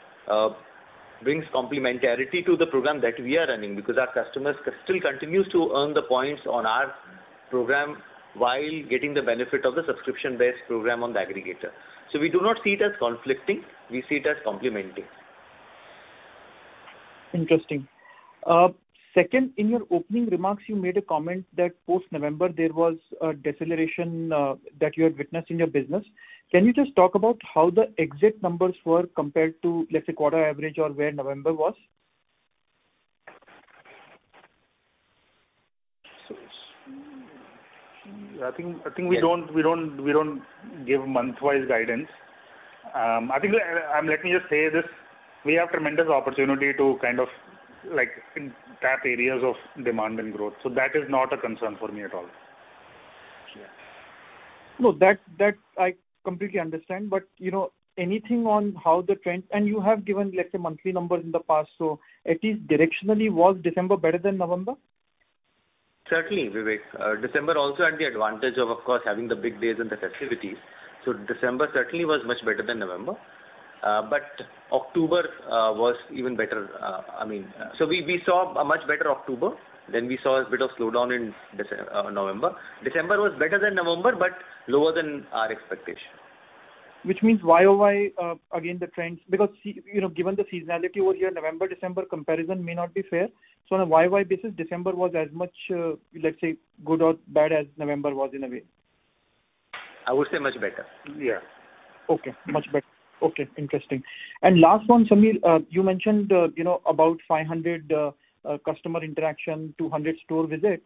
brings complementarity to the program that we are running because our customers still continues to earn the points on our program while getting the benefit of the subscription-based program on the aggregator. We do not see it as conflicting. We see it as complementing. Interesting. Second, in your opening remarks, you made a comment that post-November there was a deceleration that you had witnessed in your business. Can you just talk about how the exit numbers were compared to, let's say, quarter average or where November was? I think we don't give month-wise guidance. I think let me just say this, we have tremendous opportunity to kind of, like, tap areas of demand and growth. That is not a concern for me at all. No, that I completely understand. You know, anything on how the trend-- You have given, like, the monthly numbers in the past. At least directionally, was December better than November? Certainly, Vivek. December also had the advantage of course, having the big days and the festivities. December certainly was much better than November. October was even better. I mean, we saw a much better October, we saw a bit of slowdown in November. December was better than November, but lower than our expectation. Which means Y-o-Y, again, the trends, because you know, given the seasonality over here, November-December comparison may not be fair. On a Y-o-Y basis, December was as much, let's say, good or bad as November was in a way. I would say much better. Yeah. Okay. Much better. Okay, interesting. Last one, Sameer, you mentioned, you know, about 500 customer interaction, 200 store visits.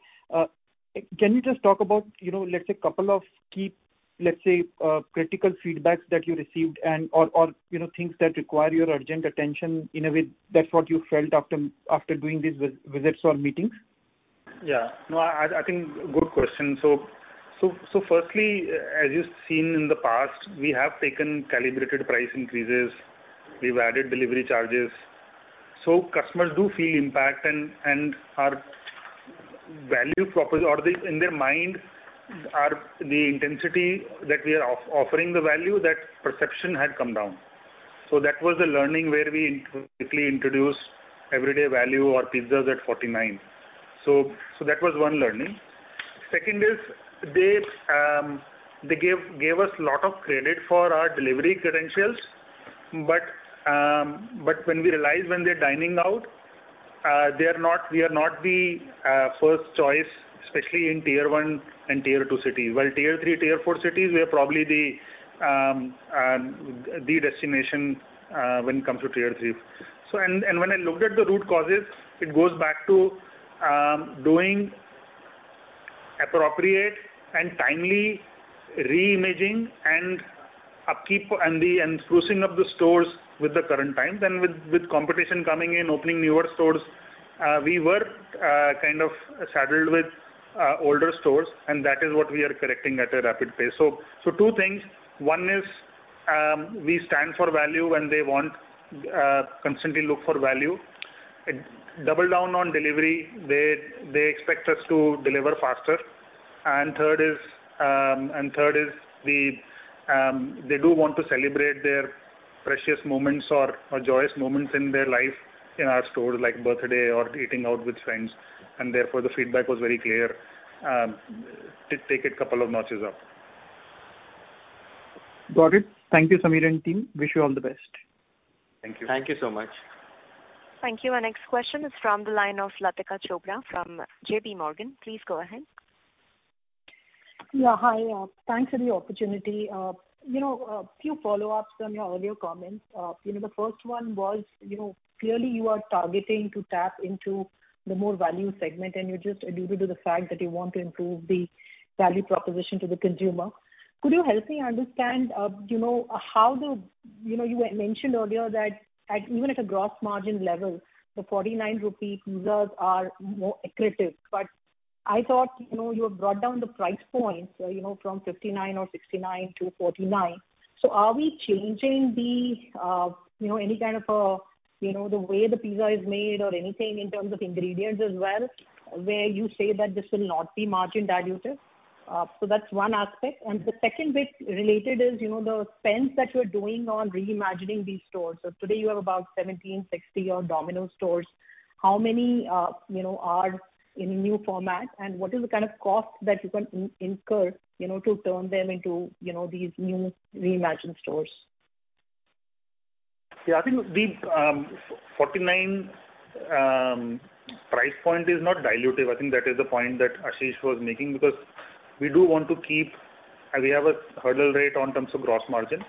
Can you just talk about, you know, let's say a couple of key, let's say, critical feedbacks that you received and/or, you know, things that require your urgent attention in a way that's what you felt after doing these visits or meetings? Yeah. No, I think good question. Firstly, as you've seen in the past, we have taken calibrated price increases. We've added delivery charges. Customers do feel impact and our value propos-- or the, in their mind are the intensity that we are offering the value that perception had come down. That was a learning where we quickly introduced Everyday Value or pizzas at 49. That was one learning. Second is they gave us lot of credit for our delivery credentials. When we realized when they're dining out, we are not the first choice, especially in tier one and tier two cities. While tier three, tier four cities, we are probably the destination when it comes to tier three. When I looked at the root causes, it goes back to doing appropriate and timely re-imaging and upkeep and sprucing up the stores with the current times. With competition coming in, opening newer stores, we were kind of saddled with older stores, and that is what we are correcting at a rapid pace. Two things. One is, we stand for value when they want constantly look for value. Double down on delivery. They expect us to deliver faster. Third is, they do want to celebrate their precious moments or joyous moments in their life in our stores, like birthday or eating out with friends, and therefore the feedback was very clear. Take it couple of notches up. Got it. Thank you, Sameer and team. Wish you all the best. Thank you. Thank you so much. Thank you. Our next question is from the line of Latika Chopra from JPMorgan. Please go ahead. Yeah, hi. Thanks for the opportunity. You know, a few follow-ups on your earlier comments. You know, the first one was, you know, clearly you are targeting to tap into the more value segment, and you just alluded to the fact that you want to improve the value proposition to the consumer. Could you help me understand, you know, how the... You know, you mentioned earlier that at, even at a gross margin level, the 49 rupee pizzas are more accretive, but I thought, you know, you have brought down the price points, you know, from 59 or 69 to 49. Are we changing the, you know, any kind of, you know, the way the pizza is made or anything in terms of ingredients as well, where you say that this will not be margin dilutive? That's one aspect. The second bit related is, you know, the spends that you're doing on reimagining these stores. Today you have about 1,760 odd Domino's stores. How many, you know, are in new format and what is the kind of cost that you can incur, you know, to turn them into, you know, these new reimagined stores? Yeah, I think the 49 price point is not dilutive. I think that is the point that Ashish was making because we do want to keep, we have a hurdle rate on terms of gross margin.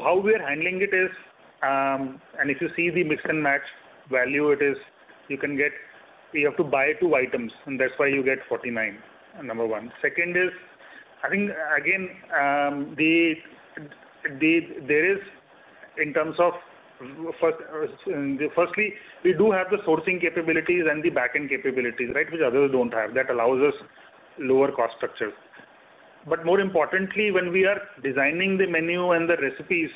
How we are handling it is, and if you see the mix and match value it is you can get, you have to buy two items and that's why you get 49. Number one. Second is, I think again, there is in terms of first, firstly, we do have the sourcing capabilities and the back-end capabilities, right? Which others don't have. That allows us lower cost structures. More importantly, when we are designing the menu and the recipes,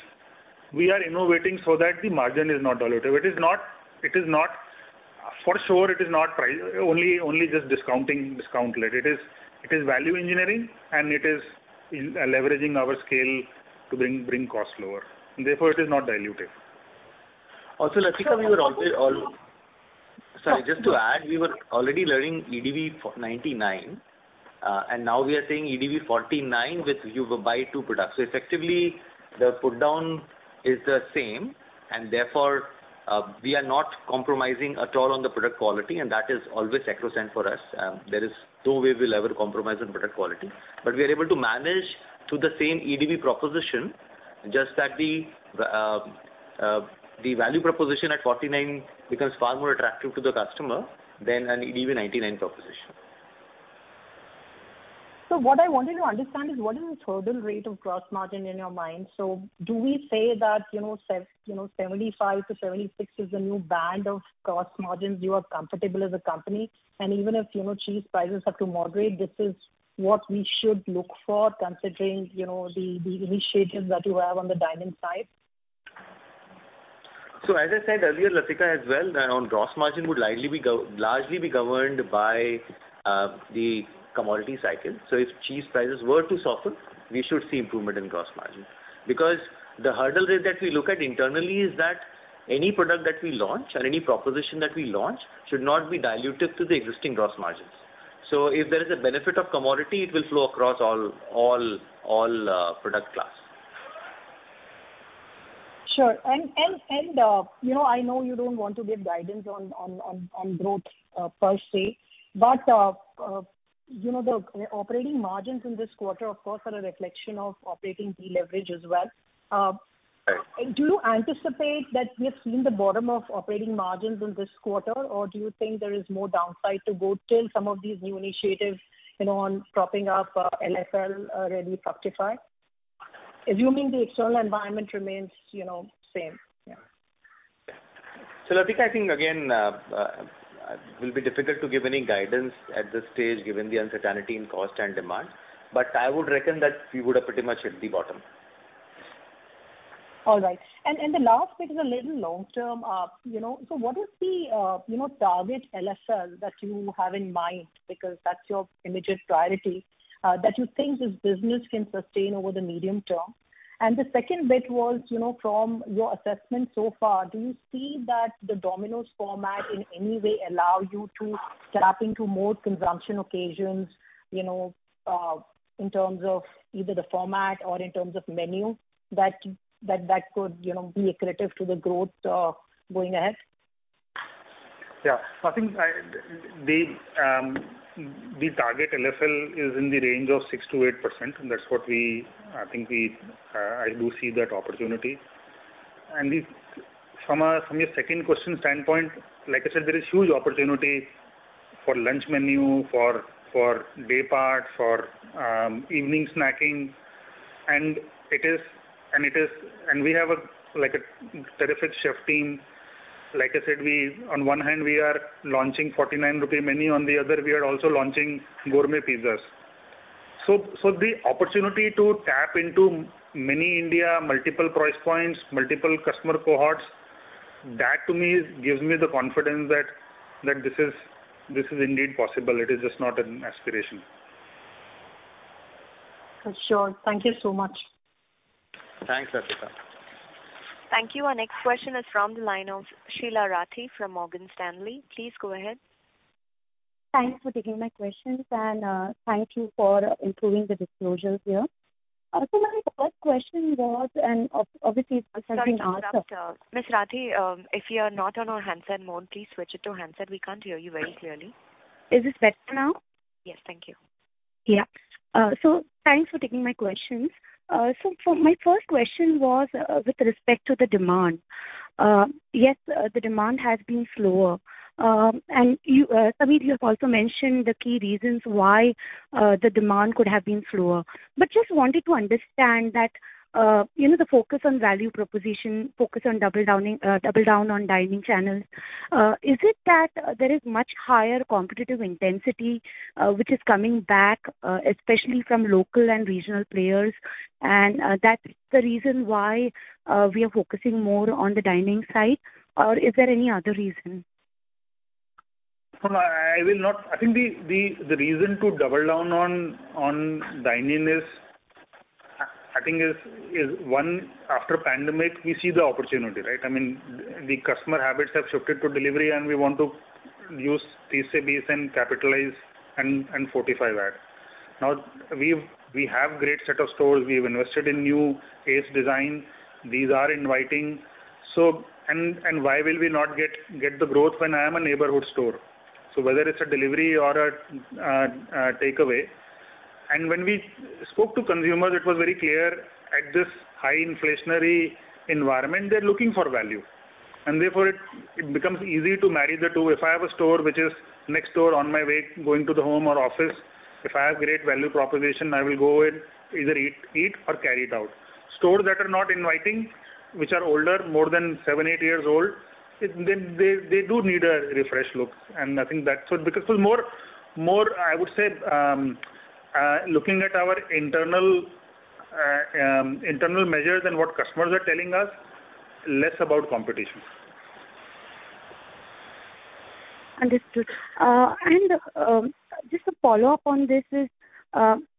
we are innovating so that the margin is not dilutive. It is not. For sure it is not price, only just discounting, discount led. It is value engineering and it is in leveraging our scale to bring costs lower, and therefore it is not dilutive. Also, Latika, we were. Yeah. Sorry. Just to add, we were already learning EDB for 99, and now we are saying EDB 49 with you buy two products. Effectively the put down is the same and therefore, we are not compromising at all on the product quality and that is always sacrosanct for us. There is no way we'll ever compromise on product quality. We are able to manage through the same EDB proposition, just that the value proposition at 49 becomes far more attractive to the customer than an EDB 99 proposition. What I wanted to understand is what is the hurdle rate of gross margin in your mind? Do we say that, you know, 75%-76% is the new band of gross margins you are comfortable as a company? Even if, you know, cheese prices have to moderate, this is what we should look for considering, you know, the initiatives that you have on the dine-in side. As I said earlier, Latika, as well on gross margin would likely be largely governed by the commodity cycle. If cheese prices were to soften, we should see improvement in gross margin. The hurdle rate that we look at internally is that any product that we launch or any proposition that we launch should not be diluted to the existing gross margins. If there is a benefit of commodity it will flow across all product class. Sure. You know, I know you don't want to give guidance on growth per se, but, you know, the operating margins in this quarter of course are a reflection of operating deleverage as well. Right. Do you anticipate that we have seen the bottom of operating margins in this quarter, or do you think there is more downside to go till some of these new initiatives, you know, on propping up, LSL, really fructify? Assuming the external environment remains, you know, same. Yeah. Latika, I think again, it will be difficult to give any guidance at this stage given the uncertainty in cost and demand. I would reckon that we would have pretty much hit the bottom. All right. The last bit is a little long term, you know. What is the, you know, target LSL that you have in mind? Because that's your immediate priority, that you think this business can sustain over the medium term. The second bit was, you know, from your assessment so far, do you see that the Domino's format in any way allow you to tap into more consumption occasions, you know, in terms of either the format or in terms of menu that could, you know, be accretive to the growth, going ahead? Yeah. I think the target LSL is in the range of 6%-8%. That's what we, I think we do see that opportunity. From your second question standpoint, like I said, there is huge opportunity for lunch menu, for day part, for evening snacking. We have a, like a terrific chef team. Like I said, we on one hand we are launching 49 rupee menu, on the other we are also launching gourmet pizzas. The opportunity to tap into many India multiple price points, multiple customer cohorts, that to me gives me the confidence that this is indeed possible. It is just not an aspiration. Sure. Thank you so much. Thanks, Latika. Thank you. Our next question is from the line of Sheela Rathi from Morgan Stanley. Please go ahead. Thanks for taking my questions and, thank you for improving the disclosures here. My first question was and obviously Sorry to interrupt. Ms. Rathi, if you're not on our handset mode, please switch it to handset. We can't hear you very clearly. Is this better now? Yes. Thank you. Yeah. Thanks for taking my questions. For my first question was with respect to the demand. Yes, the demand has been slower. You, Sameer, you have also mentioned the key reasons why the demand could have been slower. Just wanted to understand that, you know, the focus on value proposition, focus on double downing, double down on dining channels. Is it that there is much higher competitive intensity which is coming back especially from local and regional players, and that's the reason why we are focusing more on the dining side? Or is there any other reason? No, I will not. I think the reason to double down on dine-in I think is one, after pandemic we see the opportunity, right? I mean, the customer habits have shifted to delivery, and we want to use TCBs and capitalize and fortify that. Now, we have great set of stores. We've invested in new ACE design. These are inviting. Why will we not get the growth when I am a neighborhood store? So whether it's a delivery or a takeaway. When we spoke to consumers, it was very clear at this high inflationary environment they're looking for value. Therefore it becomes easy to marry the two. If I have a store which is next door on my way going to the home or office, if I have great value proposition, I will go and either eat or carry it out. Stores that are not inviting, which are older, more than seven, eight years old, then they do need a refresh look. I think that's what. More I would say, looking at our internal measures and what customers are telling us, less about competition. Understood. Just a follow-up on this is,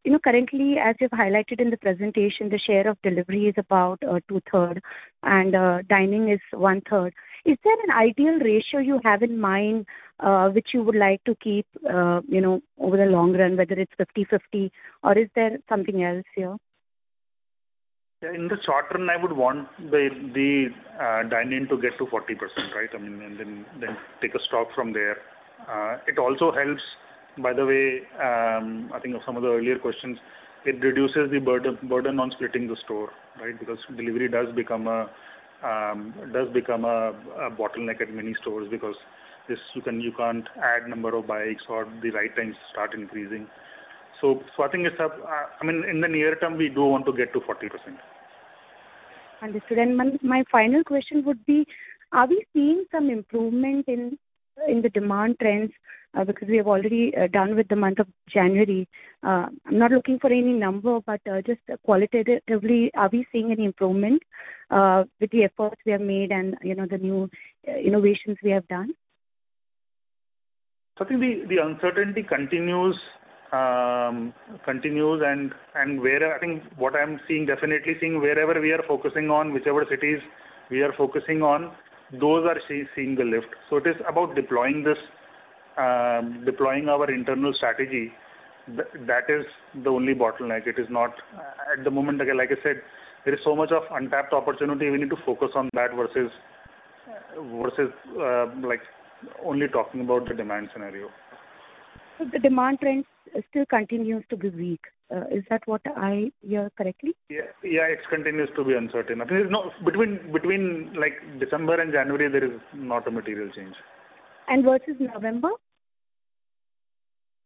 you know, currently as you've highlighted in the presentation, the share of delivery is about 2/3 and dining is 1/3. Is there an ideal ratio you have in mind, which you would like to keep, you know, over the long run, whether it's 50/50 or is there something else here? Yeah. In the short run, I would want the dine-in to get to 40%, right? I mean, then take a stock from there. It also helps by the way, I think of some of the earlier questions, it reduces the burden on splitting the store, right? Because delivery does become a bottleneck at many stores because this you can, you can't add number of bikes or the right times start increasing. I think it's a, I mean, in the near term we do want to get to 40%. Understood. My final question would be, are we seeing some improvement in the demand trends? Because we have already done with the month of January. I'm not looking for any number, but just qualitatively are we seeing any improvement with the efforts we have made and, you know, the new innovations we have done? I think the uncertainty continues and where I think what I'm seeing definitely seeing wherever we are focusing on whichever cities we are focusing on, those are seeing the lift. It is about deploying this, deploying our internal strategy. That is the only bottleneck. It is not at the moment, like I said, there is so much of untapped opportunity we need to focus on that versus like only talking about the demand scenario. The demand trends still continues to be weak. Is that what I hear correctly? Yeah. Yeah. It continues to be uncertain. I think it's not between like December and January there is not a material change. Versus November?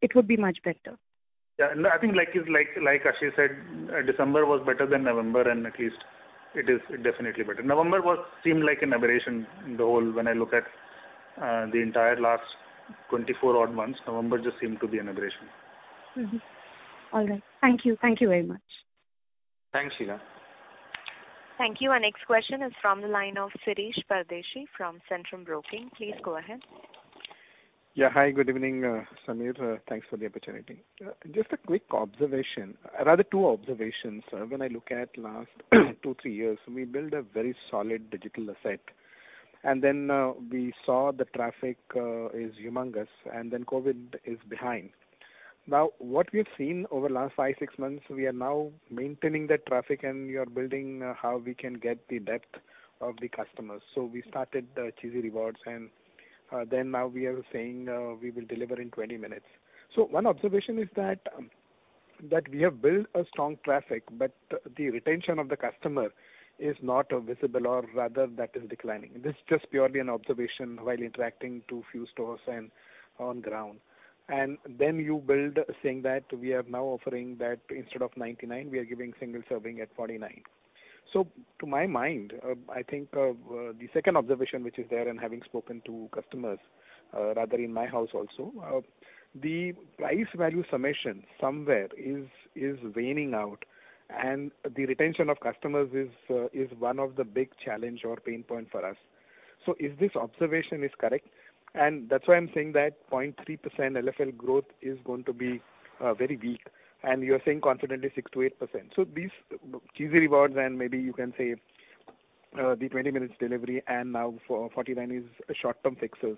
It would be much better. Yeah. No, I think like Ashish said, December was better than November and at least it is definitely better. November was seemed like an aberration in the whole when I look at the entire last 24 odd months, November just seemed to be an aberration. Mm-hmm. All right. Thank you. Thank you very much. Thanks, Sheela. Thank you. Our next question is from the line of Shirish Pardeshi from Centrum Broking. Please go ahead. Hi, good evening, Sameer. Thanks for the opportunity. Just a quick observation, rather two observations. When I look at last two, three years, we built a very solid digital asset and then we saw the traffic is humongous and then COVID is behind. What we've seen over the last five, six months, we are now maintaining the traffic and we are building how we can get the depth of the customers. We started Cheesy Rewards. Now we are saying we will deliver in 20 minutes. One observation is that we have built a strong traffic, but the retention of the customer is not visible or rather that is declining. This is just purely an observation while interacting to few stores and on ground. You build, saying that we are now offering that instead of 99, we are giving single serving at 49. To my mind, I think, the second observation which is there and having spoken to customers, rather in my house also, the price value summation somewhere is waning out and the retention of customers is one of the big challenge or pain point for us. If this observation is correct, and that's why I'm saying that 0.3% LFL growth is going to be very weak, and you're saying confidently 6%-8%. These Cheesy Rewards, and maybe you can say, the 20 minutes delivery and now 49 is short-term fixes.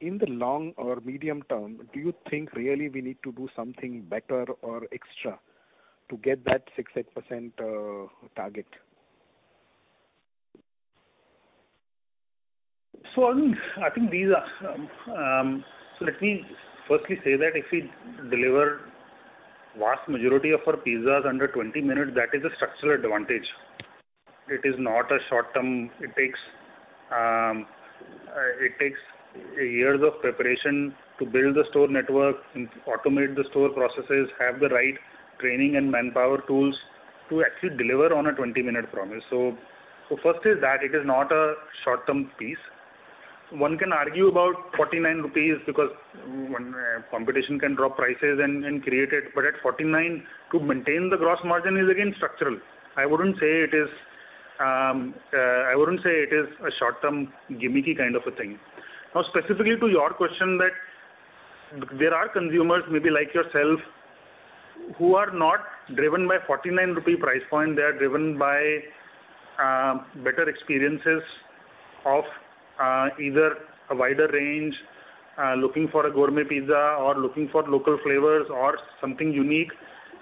In the long or medium term, do you think really we need to do something better or extra to get that 6-8% target? Let me firstly say that if we deliver vast majority of our pizzas under 20 minutes, that is a structural advantage. It is not a short-term. It takes years of preparation to build a store network and automate the store processes, have the right training and manpower tools to actually deliver on a 20-minute promise. First is that it is not a short-term piece. One can argue about 49 rupees because one, competition can drop prices and create it, but at 49 to maintain the gross margin is again structural. I wouldn't say it is a short-term gimmicky kind of a thing. Specifically to your question that there are consumers maybe like yourself who are not driven by 49 rupee price point. They are driven by better experiences of either a wider range, looking for a gourmet pizza or looking for local flavors or something unique.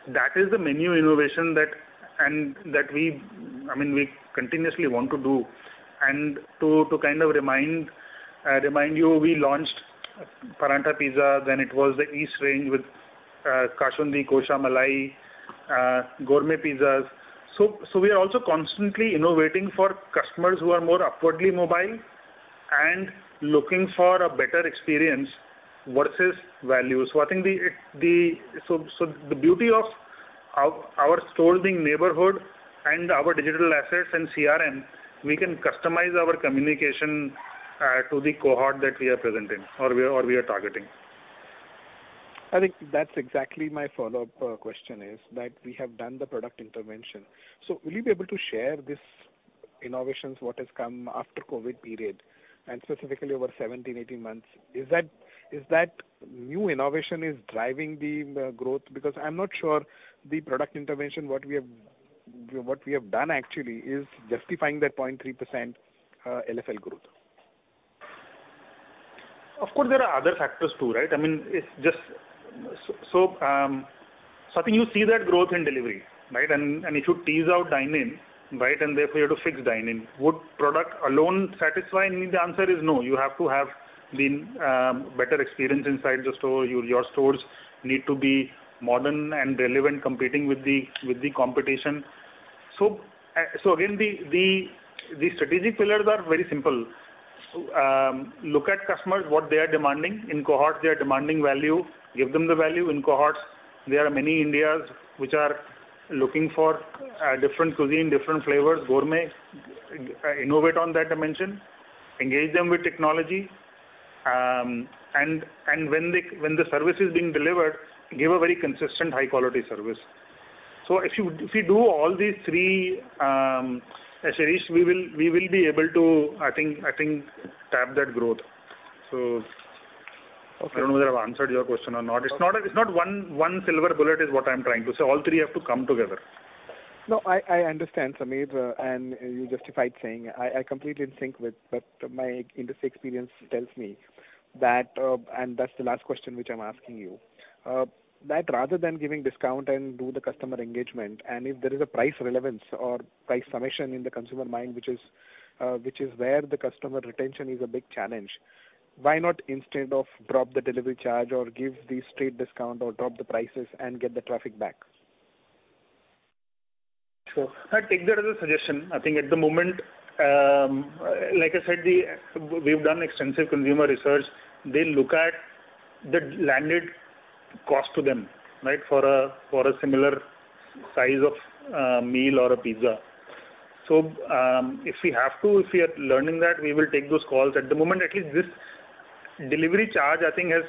That is the menu innovation that we, I mean, we continuously want to do. To, to kind of remind you, we launched Parantha Pizza, then it was the East range with Kasundi Kosha Malai gourmet pizzas. We are also constantly innovating for customers who are more upwardly mobile and looking for a better experience versus value. I think the beauty of our stores being neighborhood and our digital assets and CRM, we can customize our communication to the cohort that we are presenting or we are targeting. I think that's exactly my follow-up question is that we have done the product intervention. Will you be able to share these innovations, what has come after COVID period and specifically over 17, 18 months? Is that new innovation is driving the growth? Because I'm not sure the product intervention, what we have done actually is justifying that 0.3% LFL growth. Of course, there are other factors too, right? I mean, I think you see that growth in delivery, right? If you tease out dine-in, right, and therefore you have to fix dine-in. Would product alone satisfy? I mean, the answer is no. You have to have the better experience inside the store. Your stores need to be modern and relevant, competing with the competition. Again, the strategic pillars are very simple. Look at customers, what they are demanding. In cohorts, they are demanding value. Give them the value in cohorts. There are many Indias which are looking for different cuisine, different flavors, gourmet. Innovate on that dimension, engage them with technology, and when the service is being delivered, give a very consistent high quality service. If you do all these three, Ashish, we will be able to, I think tap that growth. I don't know whether I've answered your question or not. It's not one silver bullet is what I'm trying to say. All three have to come together. No, I understand, Sameer, and you justified saying. I completely think with, but my industry experience tells me that, and that's the last question which I'm asking you. That rather than giving discount and do the customer engagement, and if there is a price relevance or price summation in the consumer mind, which is where the customer retention is a big challenge, why not instead of drop the delivery charge or give the straight discount or drop the prices and get the traffic back? Sure. I take that as a suggestion. I think at the moment, like I said, we've done extensive consumer research. They look at the landed cost to them, right, for a similar size of a meal or a pizza. If we have to, if we are learning that, we will take those calls. At the moment, at least this delivery charge I think has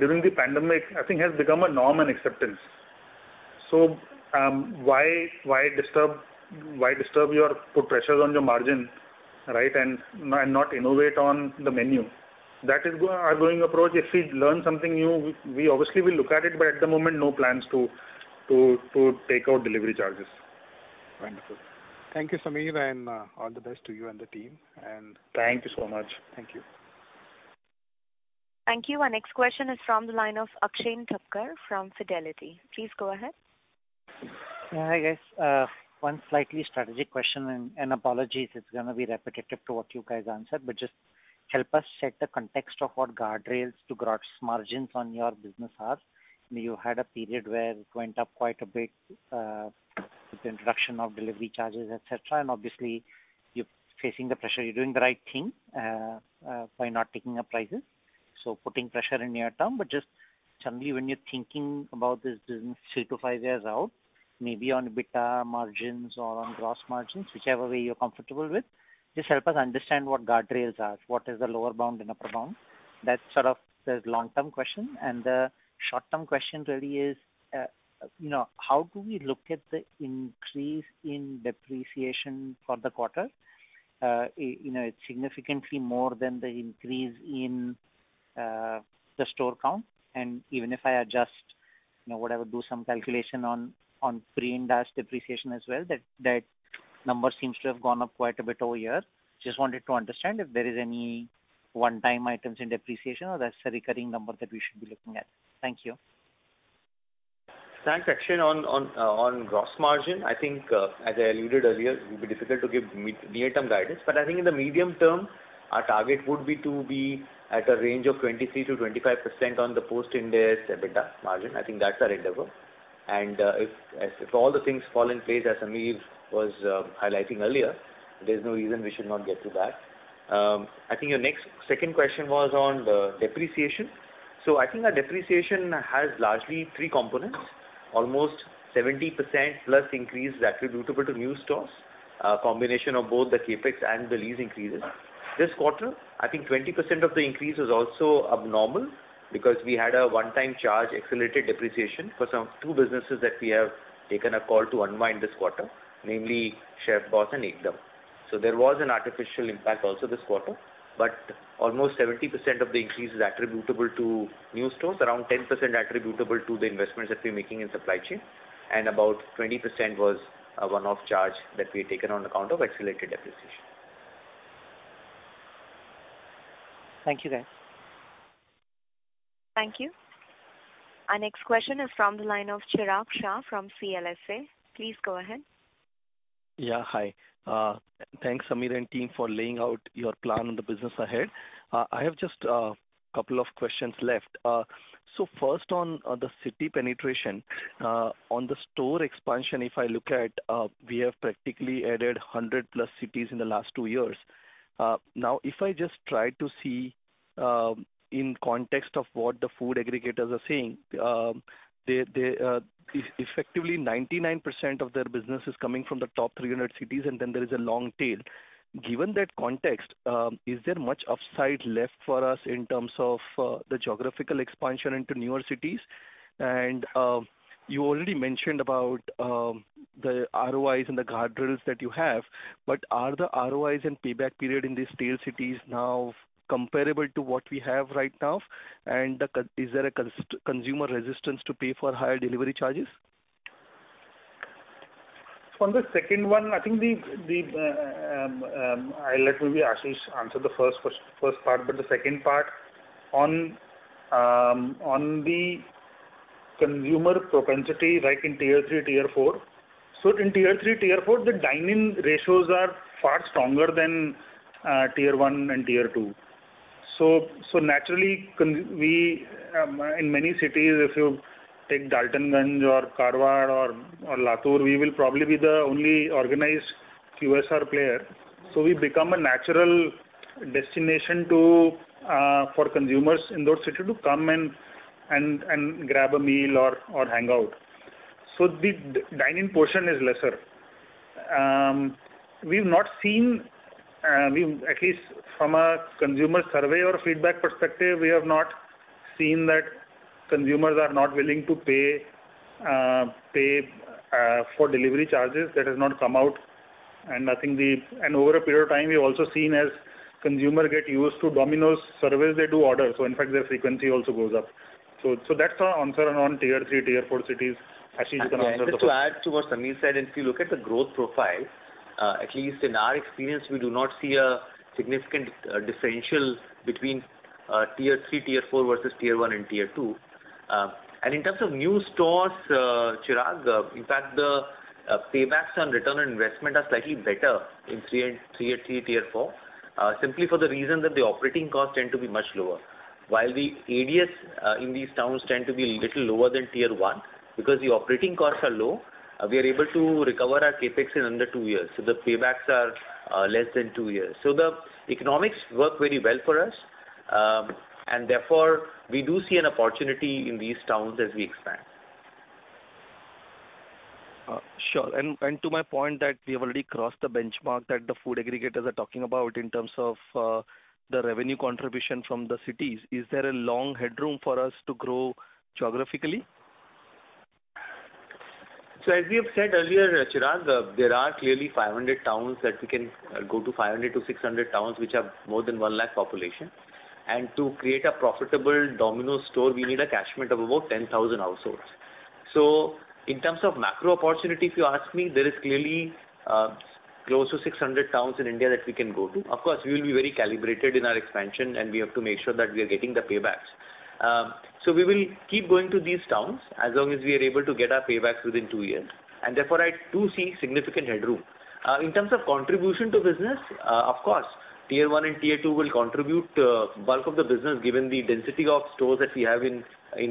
during the pandemic, I think has become a norm and acceptance. Why disturb your put pressures on your margin, right, and not innovate on the menu? That is our going approach. If we learn something new, we obviously will look at it. At the moment, no plans to take out delivery charges. Wonderful. Thank you, Sameer, and all the best to you and the team. Thank you so much. Thank you. Thank you. Our next question is from the line of Akshen Thakkar from Fidelity. Please go ahead. Yeah, hi guys. one slightly strategic question, apologies it's gonna be repetitive to what you guys answered, but just help us set the context of what guardrails to gross margins on your business are. You had a period where it went up quite a bit with the introduction of delivery charges, et cetera, and obviously you're facing the pressure. You're doing the right thing by not taking up prices, so putting pressure in near term. just suddenly when you're thinking about this business three-five years out, maybe on EBITDA margins or on gross margins, whichever way you're comfortable with, just help us understand what guardrails are. What is the lower bound and upper bound? That's sort of the long-term question. The short-term question really is, you know, how do we look at the increase in depreciation for the quarter? You know, it's significantly more than the increase in the store count. Even if I adjust, you know, whatever, do some calculation on Pre-Ind AS depreciation as well, that number seems to have gone up quite a bit over here. Just wanted to understand if there is any one-time items in depreciation or that's a recurring number that we should be looking at. Thank you. Thanks, Akshen. On gross margin, as I alluded earlier, it will be difficult to give near-term guidance. In the medium term, our target would be to be at a range of 23%-25% on the Post-Ind AS EBITDA margin. That's our endeavor. If all the things fall in place as Sameer was highlighting earlier, there's no reason we should not get to that. Your next second question was on the depreciation. Our depreciation has largely three components. Almost 70% plus increase is attributable to new stores, a combination of both the CapEx and the lease increases. This quarter, I think 20% of the increase is also abnormal because we had a one-time charge accelerated depreciation for some two businesses that we have taken a call to unwind this quarter, namely ChefBoss and Ekdum!. There was an artificial impact also this quarter. Almost 70% of the increase is attributable to new stores, around 10% attributable to the investments that we're making in supply chain, and about 20% was a one-off charge that we had taken on account of accelerated depreciation. Thank you, guys. Thank you. Our next question is from the line of Chirag Shah from CLSA. Please go ahead. Yeah, hi. Thanks, Sameer and team for laying out your plan on the business ahead. I have just a couple of questions left. First on, the city penetration. On the store expansion, if I look at, we have practically added 100+ cities in the last two years. Now, if I just try to see, in context of what the food aggregators are saying, they effectively 99% of their business is coming from the top 300 cities, and then there is a long tail. Given that context, is there much upside left for us in terms of, the geographical expansion into newer cities? You already mentioned about the ROIs and the guardrails that you have, but are the ROIs and payback period in these tail cities now comparable to what we have right now? Is there a consumer resistance to pay for higher delivery charges? On the second one, I think the, I'll let maybe Ashish answer the first part. The second part on the consumer propensity, like in Tier 3, Tier 4. In Tier 3, Tier 4, the dine-in ratios are far stronger than Tier 1 and Tier 2. Naturally we, in many cities, if you take Daltonganj or Karad or Latur, we will probably be the only organized QSR player. We become a natural destination for consumers in those city to come and grab a meal or hang out. The dine-in portion is lesser. We've not seen, we at least from a consumer survey or feedback perspective, we have not seen that consumers are not willing to pay for delivery charges. That has not come out. I think over a period of time, we've also seen as consumer get used to Domino's service, they do order. In fact, their frequency also goes up. That's our answer on tier three, tier four cities. Ashish, you can answer the first. Just to add to what Sameer said, if you look at the growth profile, at least in our experience, we do not see a significant differential between Tier 3, Tier 4 versus Tier 1 and Tier 2. In terms of new stores, Chirag, in fact the paybacks on return on investment are slightly better in Tier 3, Tier 4, simply for the reason that the operating costs tend to be much lower. While the ADS in these towns tend to be a little lower than Tier 1, because the operating costs are low, we are able to recover our CapEx in under two years. The paybacks are less than two years. The economics work very well for us, and therefore we do see an opportunity in these towns as we expand. sure. To my point that we have already crossed the benchmark that the food aggregators are talking about in terms of the revenue contribution from the cities. Is there a long headroom for us to grow geographically? As we have said earlier, Chirag, there are clearly 500 towns that we can go to, 500-600 towns which have more than 1 lakh population. To create a profitable Domino's store, we need a catchment of about 10,000 households. In terms of macro opportunity, if you ask me, there is clearly close to 600 towns in India that we can go to. Of course, we will be very calibrated in our expansion, and we have to make sure that we are getting the paybacks. We will keep going to these towns as long as we are able to get our paybacks within two years, and therefore I do see significant headroom. In terms of contribution to business, of course, Tier 1 and Tier 2 will contribute, bulk of the business given the density of stores that we have in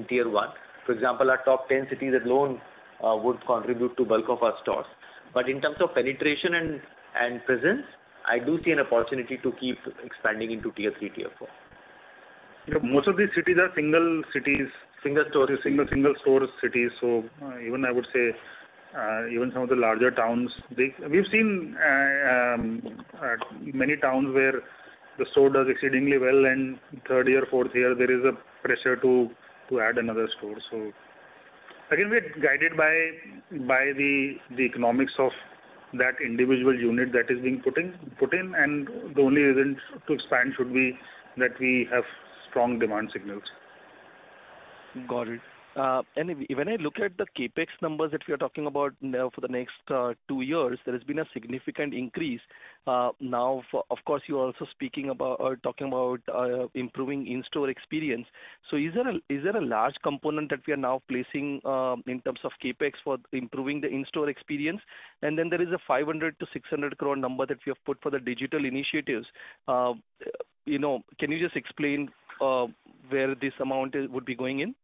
Tier 1. For example, our top 10 cities alone, would contribute to bulk of our stores. In terms of penetration and presence, I do see an opportunity to keep expanding into Tier 3, Tier 4. You know, most of these cities are single cities. Single stores. Single stores cities. Even I would say, even some of the larger towns, We've seen many towns where the store does exceedingly well, and third year, fourth year, there is a pressure to add another store. Again, we are guided by the economics of that individual unit that is being put in, and the only reason to expand should be that we have strong demand signals. Got it. When I look at the CapEx numbers that we are talking about now for the next two years, there has been a significant increase. Now, of course, you're also speaking about or talking about improving in-store experience. Is there a, is there a large component that we are now placing in terms of CapEx for improving the in-store experience? Then there is an 500 crore-600 crore number that we have put for the digital initiatives. You know, can you just explain where this amount would be going in?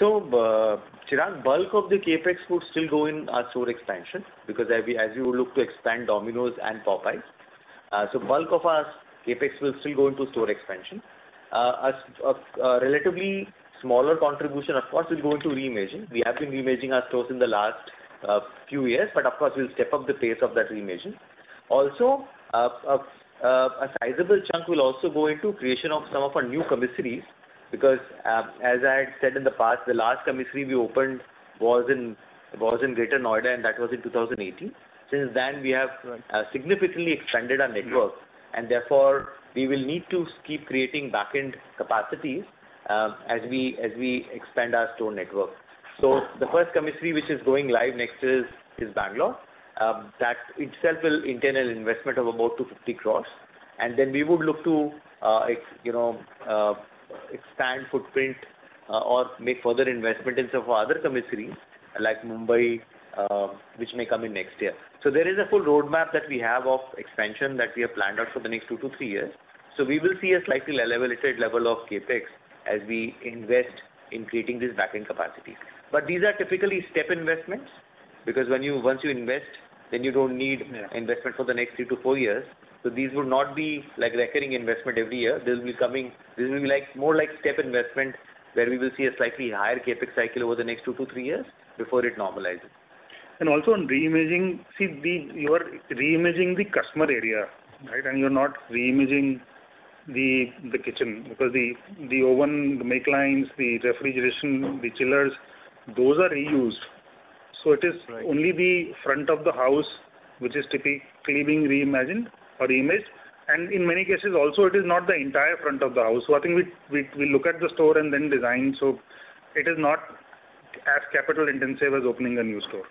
Chirag, bulk of the CapEx would still go in our store expansion because as you look to expand Domino's and Popeyes. Bulk of our CapEx will still go into store expansion. A relatively smaller contribution, of course, will go into reimaging. We have been reimaging our stores in the last few years, but of course, we'll step up the pace of that reimaging. Also a sizable chunk will also go into creation of some of our new commissaries because as I said in the past, the last commissary we opened was in Greater Noida, and that was in 2018. Since then, we have significantly expanded our network, and therefore, we will need to keep creating back-end capacities as we expand our store network. The first commissary, which is going live next, is Bangalore. That itself will entail an investment of about 250 crores. We would look to, you know, expand footprint or make further investment in some of our other commissaries like Mumbai, which may come in next year. There is a full roadmap that we have of expansion that we have planned out for the next two-three years. We will see a slightly levelated level of CapEx as we invest in creating these back-end capacities. These are typically step investments because once you invest, then you don't need investment for the next three-four years. These will not be like recurring investment every year. This will be like more like step investment, where we will see a slightly higher CapEx cycle over the next two to three years before it normalizes. Also on reimaging. See, you are reimaging the customer area, right? You're not reimaging the kitchen because the oven, the make lines, the refrigeration, the chillers, those are reused. It is only the front of the house which is typically being reimagined or imaged. In many cases also, it is not the entire front of the house. I think we look at the store and then design. It is not as capital intensive as opening a new store.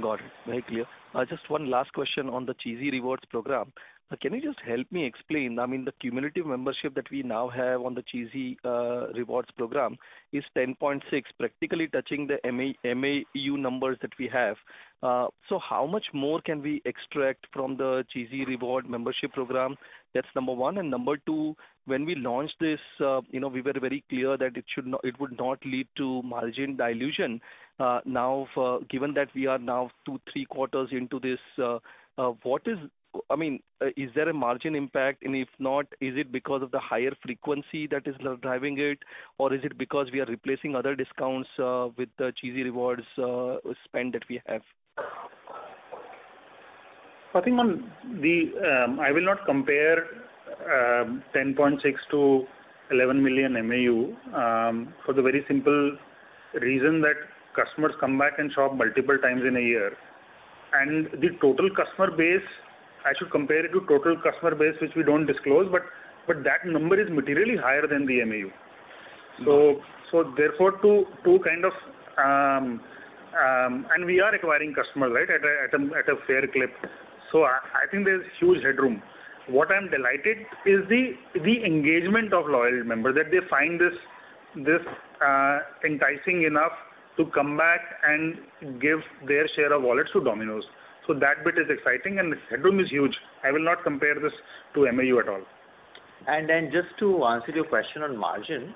Got it. Very clear. Just one last question on the Cheesy Rewards program. Can you just help me explain, I mean, the cumulative membership that we now have on the Cheesy Rewards program is 10.6, practically touching the MAU numbers that we have. How much more can we extract from the Cheesy Rewards membership program? That's number one. Number two, when we launched this, you know, we were very clear that it would not lead to margin dilution. Given that we are now two to three quarters into this, what is... I mean, is there a margin impact? If not, is it because of the higher frequency that is now driving it? Or is it because we are replacing other discounts with the Cheesy Rewards spend that we have? I think on the I will not compare 10.6 to 11 million MAU for the very simple reason that customers come back and shop multiple times in a year. The total customer base, I should compare it to total customer base, which we don't disclose, but that number is materially higher than the MAU. Therefore, to kind of We are acquiring customers, right, at a fair clip. I think there's huge headroom. What I'm delighted is the engagement of loyal members, that they find this enticing enough to come back and give their share of wallet to Domino's. That bit is exciting, and the headroom is huge. I will not compare this to MAU at all. Just to answer your question on margin.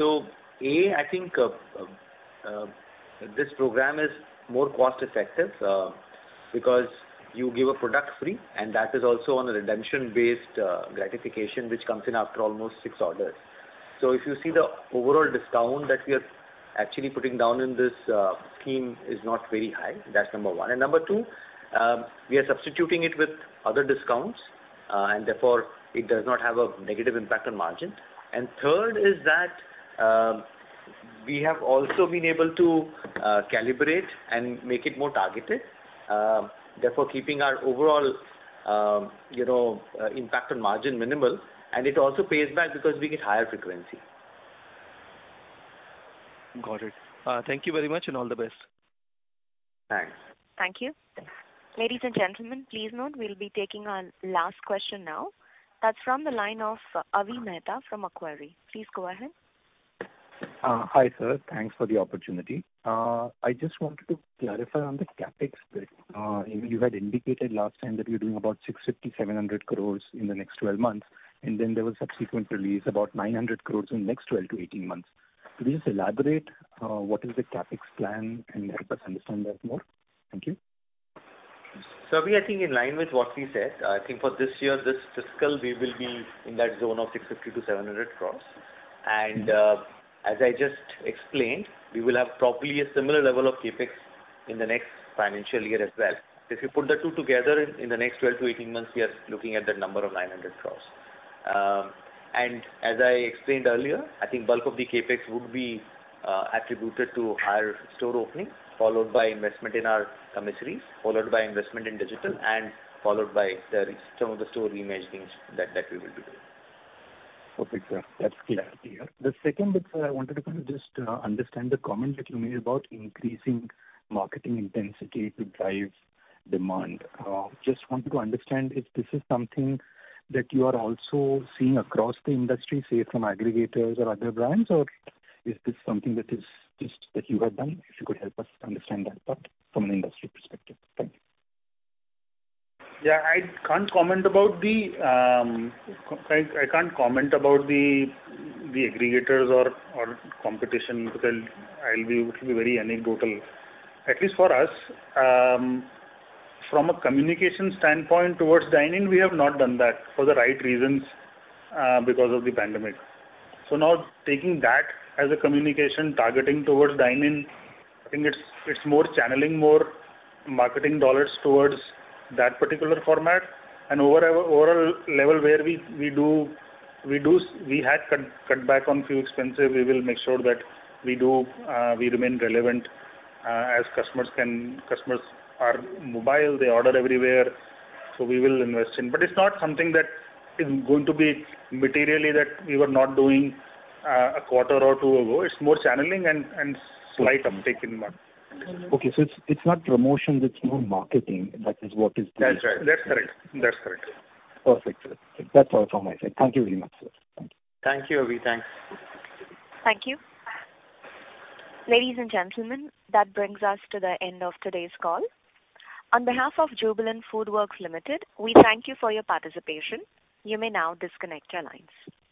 A, I think, this program is more cost effective, because you give a product free, and that is also on a redemption-based gratification, which comes in after almost six orders. If you see the overall discount that we are actually putting down in this scheme is not very high. That's number one. Number two, we are substituting it with other discounts, and therefore it does not have a negative impact on margin. Third is that. We have also been able to calibrate and make it more targeted, therefore keeping our overall, you know, impact on margin minimal. It also pays back because we get higher frequency. Got it. Thank you very much and all the best. Thanks. Thank you. Ladies and gentlemen, please note we'll be taking our last question now. That's from the line of Avi Mehta from Macquarie. Please go ahead. Hi, sir. Thanks for the opportunity. I just wanted to clarify on the CapEx bit. You had indicated last time that you're doing about 650-700 crores in the next 12 months. There was subsequent release about 900 crores in next 12-18 months. Could you just elaborate, what is the CapEx plan and help us understand that more? Thank you. We are, I think, in line with what we said. I think for this year, this fiscal, we will be in that zone of 650-700 crores. As I just explained, we will have probably a similar level of CapEx in the next financial year as well. If you put the two together in the next 12-18 months, we are looking at that number of 900 crores. As I explained earlier, I think bulk of the CapEx would be attributed to higher store openings, followed by investment in our commissaries, followed by investment in digital and followed by some of the store reimaging that we will be doing. Perfect, sir. That's clarity. The second bit, sir, I wanted to kind of just understand the comment that you made about increasing marketing intensity to drive demand. Just wanted to understand if this is something that you are also seeing across the industry, say from aggregators or other brands, or is this something that is just that you have done? If you could help us understand that part from an industry perspective. Thank you. Yeah, I can't comment about the, I can't comment about the aggregators or competition because I'll be, it will be very anecdotal. At least for us, from a communication standpoint towards dine-in, we have not done that for the right reasons because of the pandemic. Now taking that as a communication targeting towards dine-in, I think it's more channeling more marketing dollars towards that particular format. Over a overall level where We had cut back on few expenses. We will make sure that we do, we remain relevant as Customers are mobile, they order everywhere, so we will invest in. It's not something that is going to be materially that we were not doing a quarter or two ago. It's more channeling and slight uptake in that. Okay. It's not promotion, it's more marketing that is what is. That's right. That's correct. That's correct. Perfect, sir. That's all from my side. Thank you very much, sir. Thank you. Thank you, Avi. Thanks. Thank you. Ladies and gentlemen, that brings us to the end of today's call. On behalf of Jubilant FoodWorks Limited, we thank you for your participation. You may now disconnect your lines.